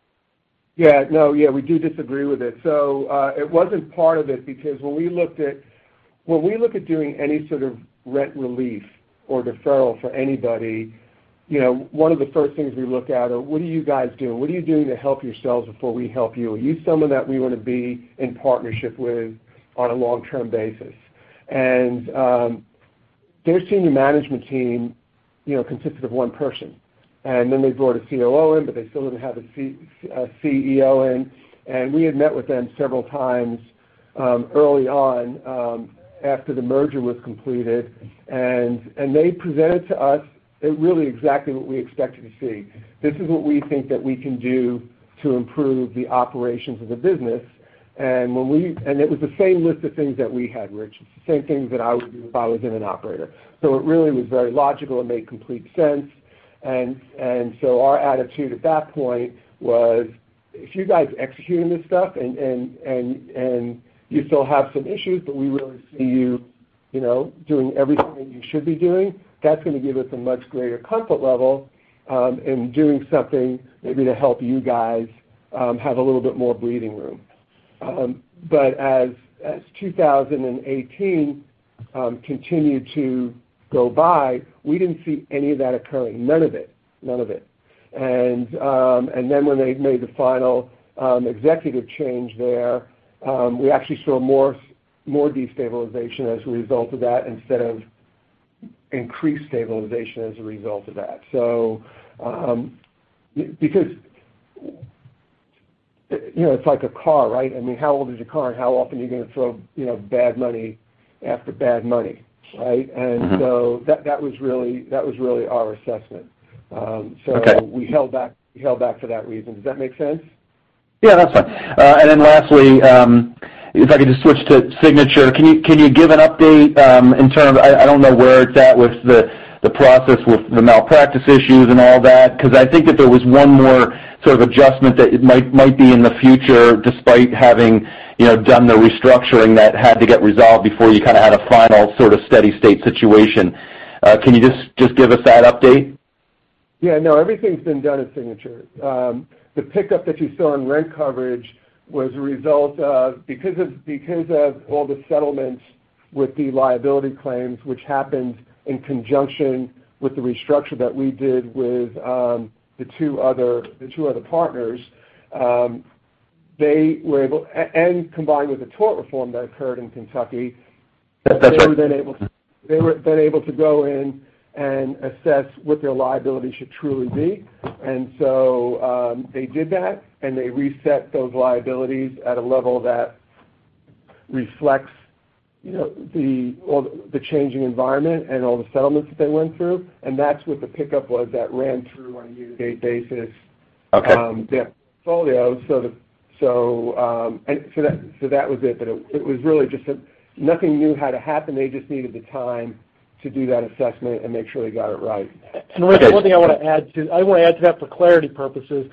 No, we do disagree with it. It wasn't part of it because when we look at doing any sort of rent relief or deferral for anybody, one of the first things we look at are what do you guys do? What are you doing to help yourselves before we help you? Are you someone that we want to be in partnership with on a long-term basis? Their senior management team consisted of one person, then they brought a COO in, but they still didn't have a CEO in. We had met with them several times early on, after the merger was completed. They presented to us really exactly what we expected to see. This is what we think that we can do to improve the operations of the business, and it was the same list of things that we had, Rich. It's the same things that I would do if I was in an operator. It really was very logical and made complete sense. Our attitude at that point was, if you guys execute on this stuff and you still have some issues, but we really see you doing everything that you should be doing, that's going to give us a much greater comfort level in doing something maybe to help you guys have a little bit more breathing room. As 2018 continued to go by, we didn't see any of that occurring. None of it. When they made the final executive change there, we actually saw more destabilization as a result of that instead of increased stabilization as a result of that. It's like a car, right? I mean, how old is your car and how often are you going to throw bad money after bad money, right? That was really our assessment. Okay. We held back for that reason. Does that make sense? Yeah, that's fine. Lastly, if I could just switch to Signature, can you give an update in terms-- I don't know where it's at with the process with the malpractice issues and all that, because I think if there was one more sort of adjustment that might be in the future, despite having done the restructuring that had to get resolved before you kind of had a final sort of steady state situation. Can you just give us that update? Yeah. No, everything's been done at Signature. The pickup that you saw in rent coverage was a result of because of all the settlements with the liability claims, which happened in conjunction with the restructure that we did with the two other partners, combined with the tort reform that occurred in Kentucky- They were then able to go in and assess what their liability should truly be. They did that, and they reset those liabilities at a level that reflects the changing environment and all the settlements that they went through, and that's what the pickup was that ran through on a year-to-date basis- Okay their portfolio. That was it. Nothing new had to happen. They just needed the time to do that assessment and make sure they got it right. Rick, one thing I want to add to that for clarity purposes,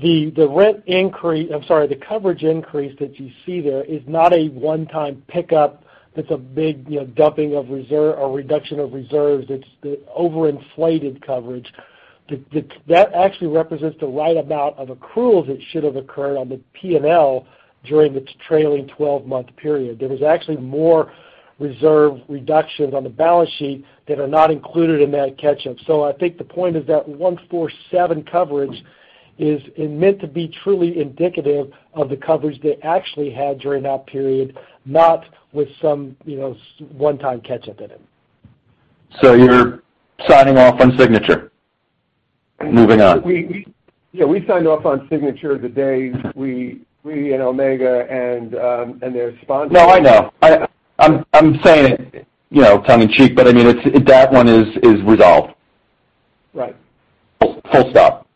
the coverage increase that you see there is not a one-time pickup that's a big reduction of reserves, that's over-inflated coverage. That actually represents the right amount of accruals that should have occurred on the P&L during its trailing 12-month period. There was actually more reserve reductions on the balance sheet that are not included in that catch-up. I think the point is that 147 coverage is meant to be truly indicative of the coverage they actually had during that period, not with some one-time catch-up in it. You're signing off on Signature HealthCARE, moving on? Yeah, we signed off on Signature HealthCARE the day we and Omega Healthcare Investors and their sponsors No, I know. I mean, I'm saying it tongue in cheek, but that one is resolved. Right. Full stop.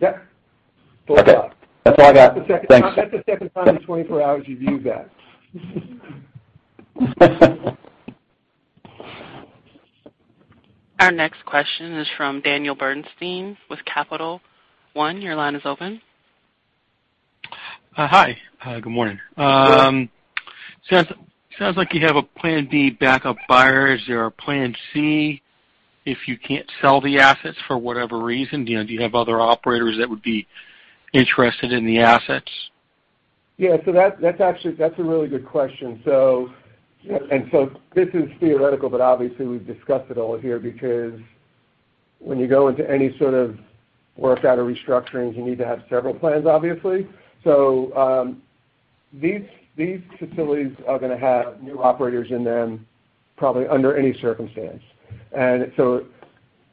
Yep. Full stop. Okay. That's all I got. Thanks. That's the second time in 24 hours you've used that. Our next question is from Daniel Bernstein with Capital One. Your line is open. Hi. Good morning. Good morning. Sounds like you have a plan B backup buyer. Is there a plan C if you can't sell the assets for whatever reason? Do you have other operators that would be interested in the assets? That's a really good question. This is theoretical, but obviously, we've discussed it all here because when you go into any sort of workout or restructurings, you need to have several plans, obviously. These facilities are going to have new operators in them probably under any circumstance.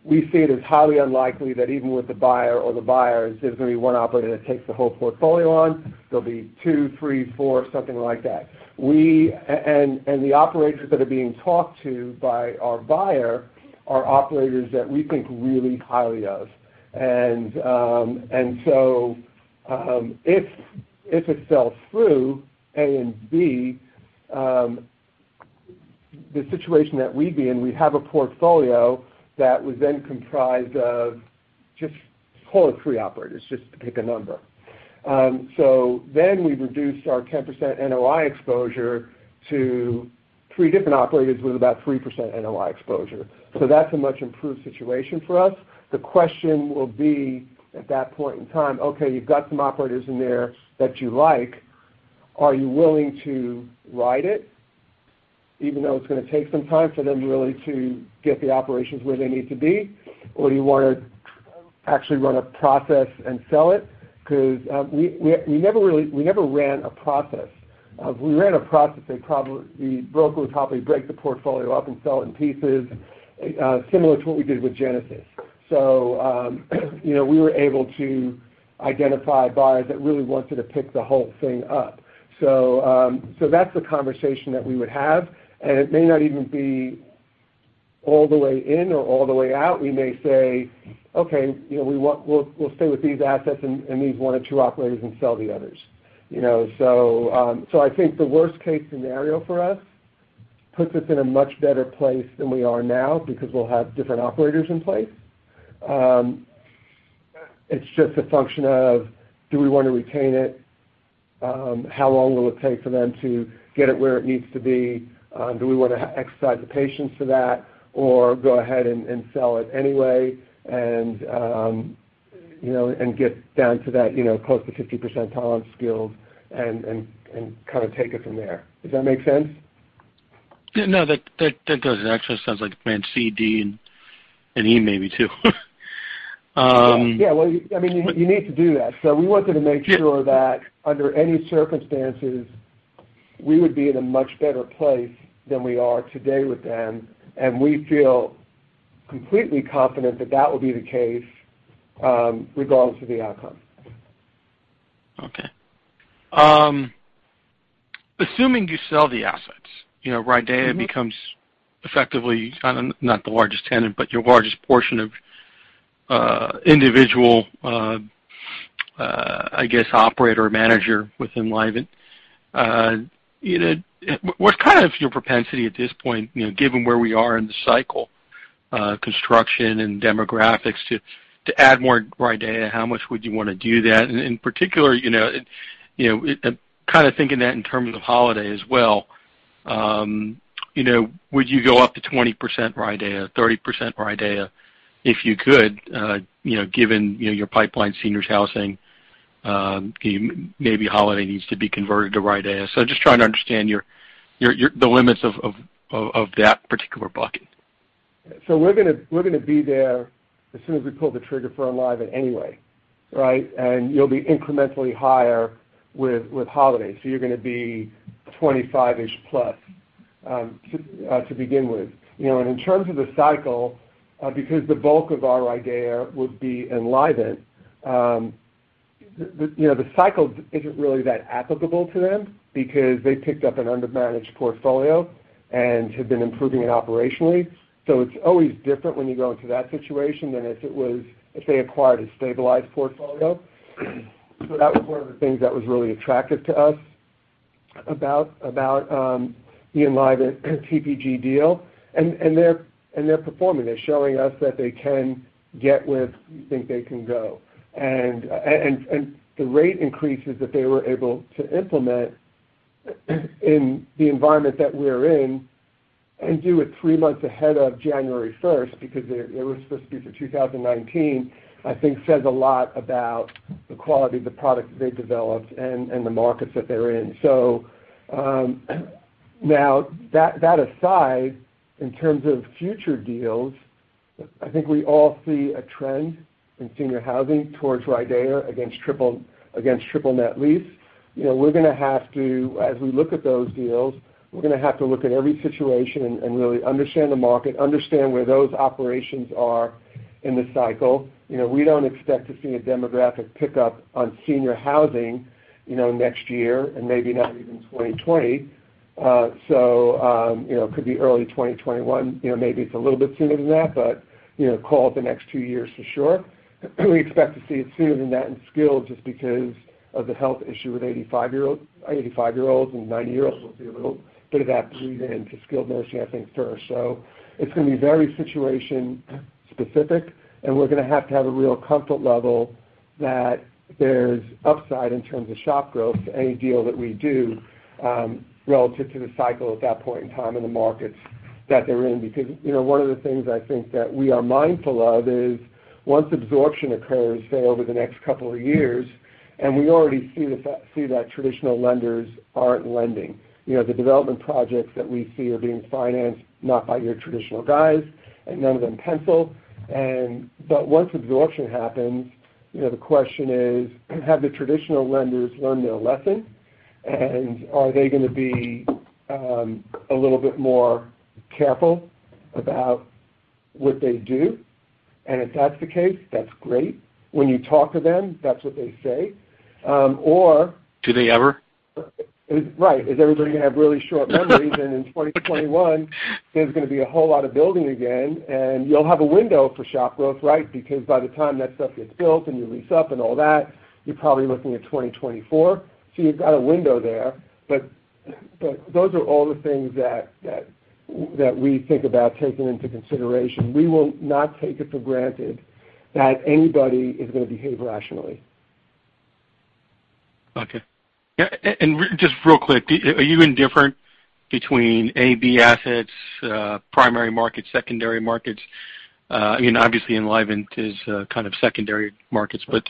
We see it as highly unlikely that even with the buyer or the buyers, there's going to be one operator that takes the whole portfolio on. There will be two, three, four, something like that. The operators that are being talked to by our buyer are operators that we think really highly of. If it sells through A and B, the situation that we'd be in, we'd have a portfolio that was then comprised of just call it three operators, just to pick a number. We've reduced our 10% NOI exposure to three different operators with about 3% NOI exposure. That's a much-improved situation for us. The question will be, at that point in time, okay, you've got some operators in there that you like, are you willing to ride it even though it's going to take some time for them really to get the operations where they need to be? Or do you want to actually run a process and sell it? Because we never ran a process. If we ran a process, the broker would probably break the portfolio up and sell it in pieces, similar to what we did with Genesis. We were able to identify buyers that really wanted to pick the whole thing up. That's the conversation that we would have, and it may not even be all the way in or all the way out. We may say, "Okay, we'll stay with these assets and these one or two operators and sell the others." I think the worst-case scenario for us puts us in a much better place than we are now because we'll have different operators in place. It's just a function of, do we want to retain it? How long will it take for them to get it where it needs to be? Do we want to exercise the patience for that or go ahead and sell it anyway and get down to that close to 50% tolerance to skills and kind of take it from there. Does that make sense? No, that does. It actually sounds like plan C, D, and E, maybe, too. Yeah. Well, you need to do that. We wanted to make sure that under any circumstances, we would be in a much better place than we are today with them, and we feel completely confident that that will be the case, regardless of the outcome. Assuming you sell the assets, RIDEA becomes effectively not the largest tenant, but your largest portion of individual, I guess, operator or manager within Enlivant. What's kind of your propensity at this point, given where we are in the cycle, construction and demographics, to add more RIDEA? How much would you want to do that? In particular, kind of thinking that in terms of Holiday as well, would you go up to 20% RIDEA, 30% RIDEA if you could, given your pipeline, senior housing, maybe Holiday needs to be converted to RIDEA. Just trying to understand the limits of that particular bucket. We're gonna be there as soon as we pull the trigger for Enlivant anyway, right? You'll be incrementally higher with Holiday. You're gonna be 25-ish plus to begin with. In terms of the cycle, because the bulk of our RIDEA would be Enlivant, the cycle isn't really that applicable to them because they picked up an undermanaged portfolio and have been improving it operationally. It's always different when you go into that situation than if they acquired a stabilized portfolio. That was one of the things that was really attractive to us about the Enlivant TPG deal, and they're performing. They're showing us that they can get where we think they can go. The rate increases that they were able to implement in the environment that we're in and do it three months ahead of January 1st, because it was supposed to be for 2019, I think, says a lot about the quality of the product that they developed and the markets that they're in. Now, that aside, in terms of future deals, I think we all see a trend in senior housing towards RIDEA against triple net lease. As we look at those deals, we're gonna have to look at every situation and really understand the market, understand where those operations are in the cycle. We don't expect to see a demographic pickup on senior housing, next year, and maybe not even 2020. Could be early 2021, maybe it's a little bit sooner than that, but call it the next two years for sure. We expect to see it sooner than that in skilled, just because of the health issue with 85-year-olds and 90-year-olds will be a little bit of that bleed-in to skilled nursing, I think, first. It's gonna be very situation-specific, and we're gonna have to have a real comfort level that there's upside in terms of shop growth to any deal that we do, relative to the cycle at that point in time and the markets that they're in. One of the things I think that we are mindful of is once absorption occurs, say, over the next couple of years, we already see that traditional lenders aren't lending. The development projects that we see are being financed, not by your traditional guys, and none of them pencil. Once absorption happens, the question is, have the traditional lenders learned their lesson, and are they gonna be a little bit more careful about what they do, and if that's the case, that's great. When you talk to them, that's what they say. Do they ever? Right. Is everybody going to have really short memories, and in 2021, there's going to be a whole lot of building again, and you'll have a window for shop growth, right? By the time that stuff gets built and you lease up and all that, you're probably looking at 2024. You've got a window there. Those are all the things that we think about taking into consideration. We will not take it for granted that anybody is going to behave rationally. Okay. Just real quick, are you indifferent between A, B assets, primary markets, secondary markets? Obviously, Enlivant is kind of secondary markets, but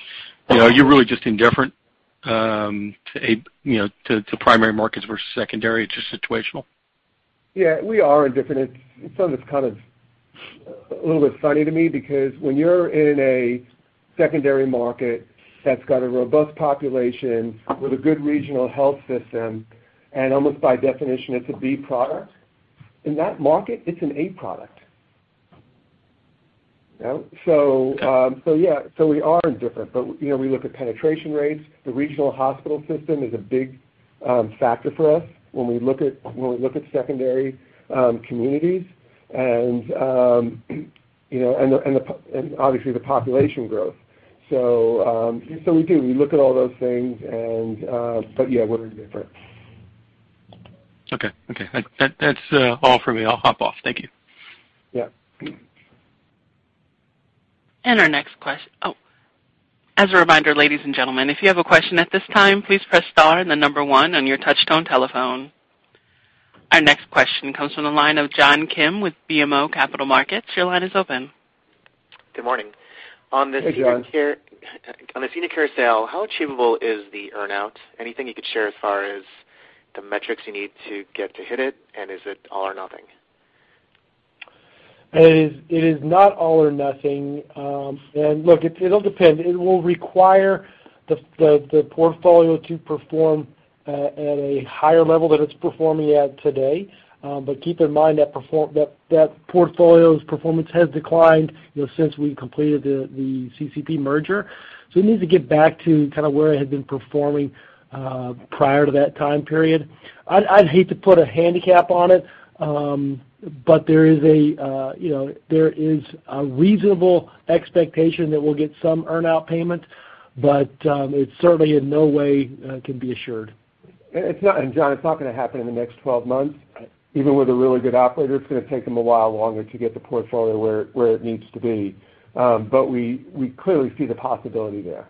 are you really just indifferent to primary markets versus secondary? It's just situational? Yeah, we are indifferent. It's something that's kind of a little bit funny to me because when you're in a secondary market that's got a robust population with a good regional health system, almost by definition, it's a B product. In that market, it's an A product. Yeah, we are indifferent, but we look at penetration rates. The regional hospital system is a big factor for us when we look at secondary communities and obviously the population growth. We do, we look at all those things, but yeah, we're indifferent. Okay. That's all for me. I'll hop off. Thank you. Yeah. Our next question. As a reminder, ladies and gentlemen, if you have a question at this time, please press star and the number one on your touch-tone telephone. Our next question comes from the line of John Kim with BMO Capital Markets. Your line is open. Good morning. Hey, John. On the Senior Care sale, how achievable is the earn-out? Anything you could share as far as the metrics you need to get to hit it, is it all or nothing? It is not all or nothing. Look, it'll depend. It will require the portfolio to perform at a higher level than it's performing at today. Keep in mind that portfolio's performance has declined since we completed the CCP merger. It needs to get back to kind of where it had been performing prior to that time period. I'd hate to put a handicap on it, but there is a reasonable expectation that we'll get some earn-out payment, but it certainly in no way can be assured. John, it's not going to happen in the next 12 months, even with a really good operator. It's going to take them a while longer to get the portfolio where it needs to be. We clearly see the possibility there.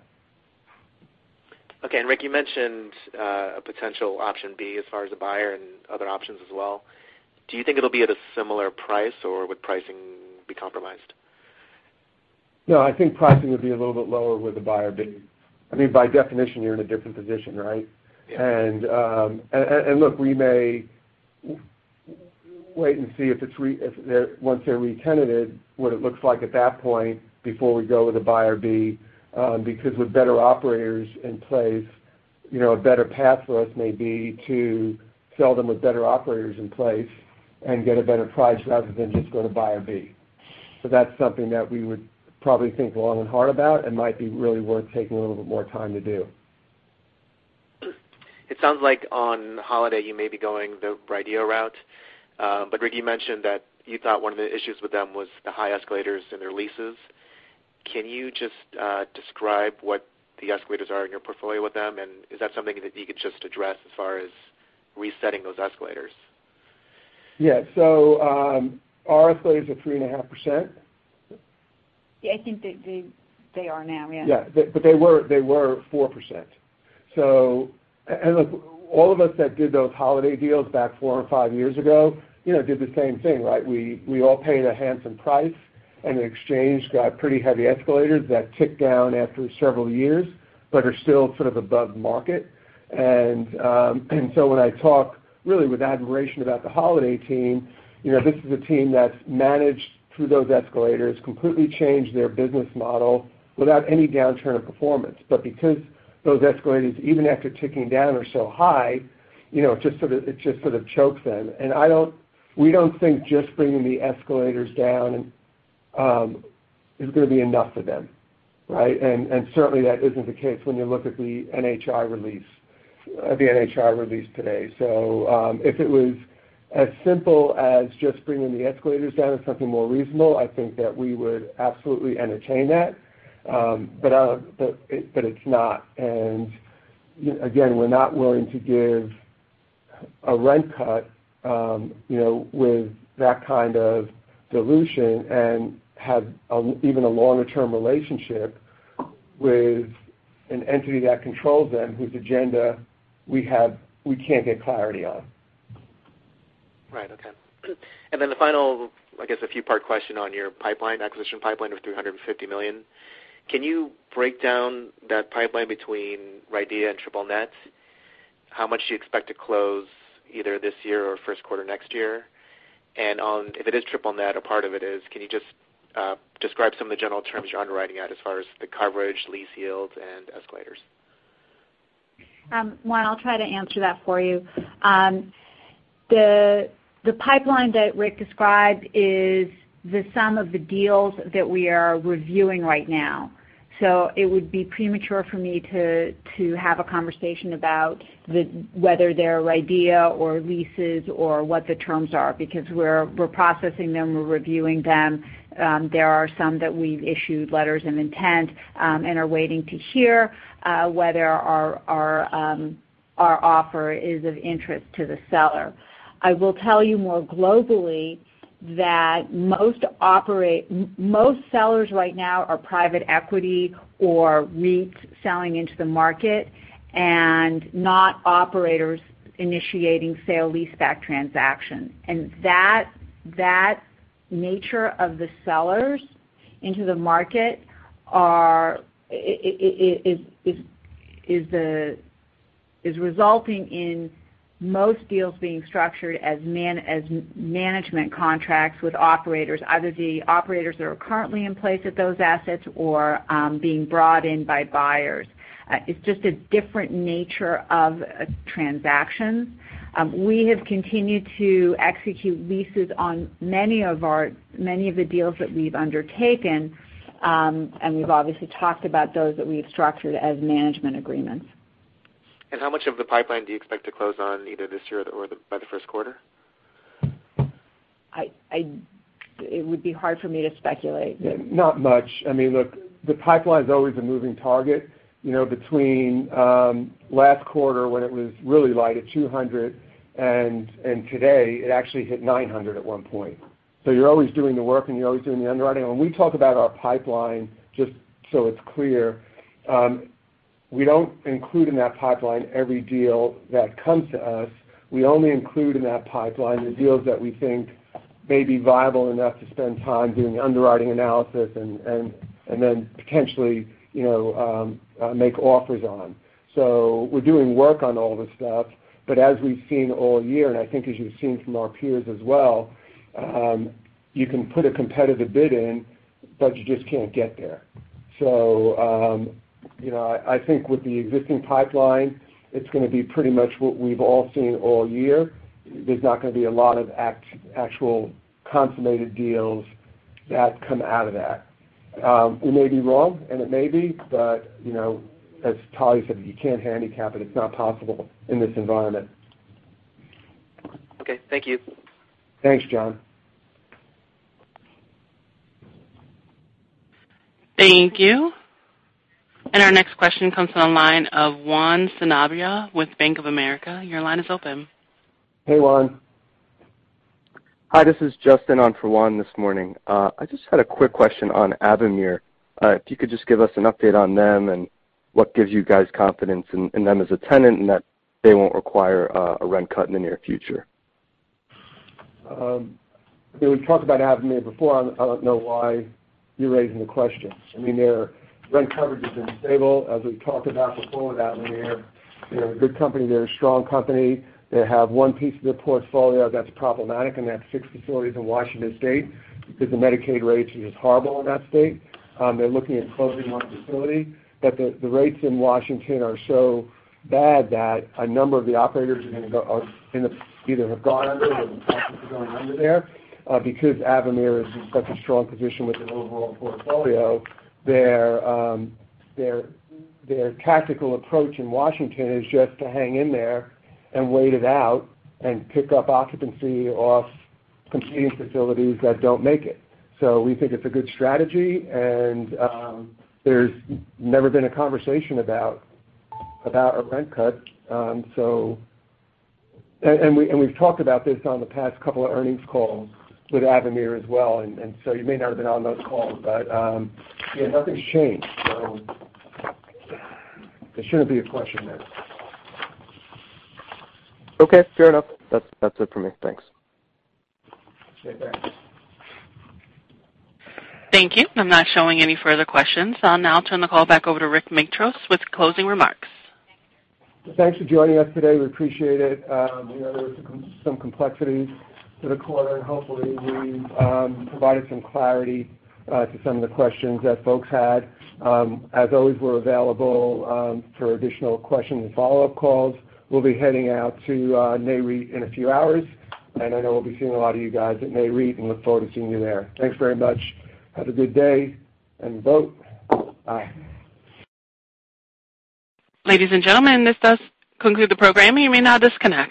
Okay. Rick, you mentioned a potential option B as far as a buyer and other options as well. Do you think it'll be at a similar price, or would pricing be compromised? No, I think pricing would be a little bit lower with the buyer B. By definition, you're in a different position, right? Yeah. Look, we may wait and see if once they're re-tenanted, what it looks like at that point before we go with a buyer B, because with better operators in place, a better path for us may be to sell them with better operators in place and get a better price rather than just go to buyer B. That's something that we would probably think long and hard about, and might be really worth taking a little bit more time to do. It sounds like on Holiday, you may be going the RIDEA route. Ricky mentioned that you thought one of the issues with them was the high escalators in their leases. Can you just describe what the escalators are in your portfolio with them? Is that something that you could just address as far as resetting those escalators? Yeah. Our escalators are 3.5%. Yeah, I think they are now, yeah. Yeah. They were 4%. Look, all of us that did those Holiday deals back four or five years ago, did the same thing, right? We all paid a handsome price, and in exchange, got pretty heavy escalators that ticked down after several years, but are still sort of above market. When I talk really with admiration about the Holiday team, this is a team that's managed through those escalators, completely changed their business model without any downturn of performance. Because those escalators, even after ticking down, are so high, it just sort of chokes them. We don't think just bringing the escalators down is going to be enough for them. Right? Certainly, that isn't the case when you look at the NHI release today. If it was as simple as just bringing the escalators down to something more reasonable, I think that we would absolutely entertain that. It's not, and again, we're not willing to give a rent cut with that kind of dilution and have even a longer-term relationship with an entity that controls them, whose agenda we can't get clarity on. Right. Okay. Then the final, I guess, a few-part question on your acquisition pipeline of $350 million. Can you break down that pipeline between RIDEA and triple net? How much do you expect to close either this year or first quarter next year? If it is triple net, or part of it is, can you just describe some of the general terms you're underwriting at as far as the coverage, lease yields, and escalators? Juan, I'll try to answer that for you. The pipeline that Rick described is the sum of the deals that we are reviewing right now. It would be premature for me to have a conversation about whether they're RIDEA or leases or what the terms are, because we're processing them, we're reviewing them. There are some that we've issued letters of intent, and are waiting to hear whether our offer is of interest to the seller. I will tell you more globally, that most sellers right now are private equity or REITs selling into the market and not operators initiating sale leaseback transactions. That nature of the sellers into the market is resulting in most deals being structured as management contracts with operators, either the operators that are currently in place at those assets or being brought in by buyers. It's just a different nature of transactions. We have continued to execute leases on many of the deals that we've undertaken. We've obviously talked about those that we've structured as management agreements. How much of the pipeline do you expect to close on either this year or by the first quarter? It would be hard for me to speculate. Not much. Look, the pipeline's always a moving target. Between last quarter when it was really light at $200, and today, it actually hit $900 at one point. You're always doing the work and you're always doing the underwriting. When we talk about our pipeline, just so it is clear, we do not include in that pipeline every deal that comes to us. We only include in that pipeline the deals that we think may be viable enough to spend time doing underwriting analysis and then potentially make offers on. We're doing work on all this stuff, but as we've seen all year, and I think as you've seen from our peers as well, you can put a competitive bid in, but you just cannot get there. I think with the existing pipeline, it is going to be pretty much what we've all seen all year. There's not going to be a lot of actual consummated deals that come out of that. We may be wrong, and it may be, but as Talya said, you cannot handicap it. It is not possible in this environment. Okay. Thank you. Thanks, John. Thank you. Our next question comes on the line of Juan Sanabria with Bank of America. Your line is open. Hey, Juan. Hi, this is Justin on for Juan this morning. I just had a quick question on Avamere. If you could just give us an update on them and what gives you guys confidence in them as a tenant and that they won't require a rent cut in the near future. We've talked about Avamere before. I don't know why you're raising the question. Their rent coverage has been stable, as we've talked about before with Avamere. They're a good company. They're a strong company. They have one piece of their portfolio that's problematic, and that's six facilities in Washington state, because the Medicaid rates are just horrible in that state. They're looking at closing one facility, but the rates in Washington are so bad that a number of the operators either have gone under or are going under there. Because Avamere is in such a strong position with their overall portfolio, their tactical approach in Washington is just to hang in there and wait it out and pick up occupancy off competing facilities that don't make it. We think it's a good strategy, and there's never been a conversation about a rent cut. We've talked about this on the past couple of earnings calls with Avamere as well. You may not have been on those calls, nothing's changed. It shouldn't be a question there. Okay, fair enough. That's it for me. Thanks. Okay, thanks. Thank you. I'm not showing any further questions. I'll now turn the call back over to Rick Matros with closing remarks. Thanks for joining us today. We appreciate it. There were some complexities to the quarter, and hopefully we provided some clarity to some of the questions that folks had. As always, we're available for additional questions and follow-up calls. We'll be heading out to Nareit in a few hours, and I know we'll be seeing a lot of you guys at Nareit and look forward to seeing you there. Thanks very much. Have a good day, end the vote. Bye. Ladies and gentlemen, this does conclude the programming. You may now disconnect.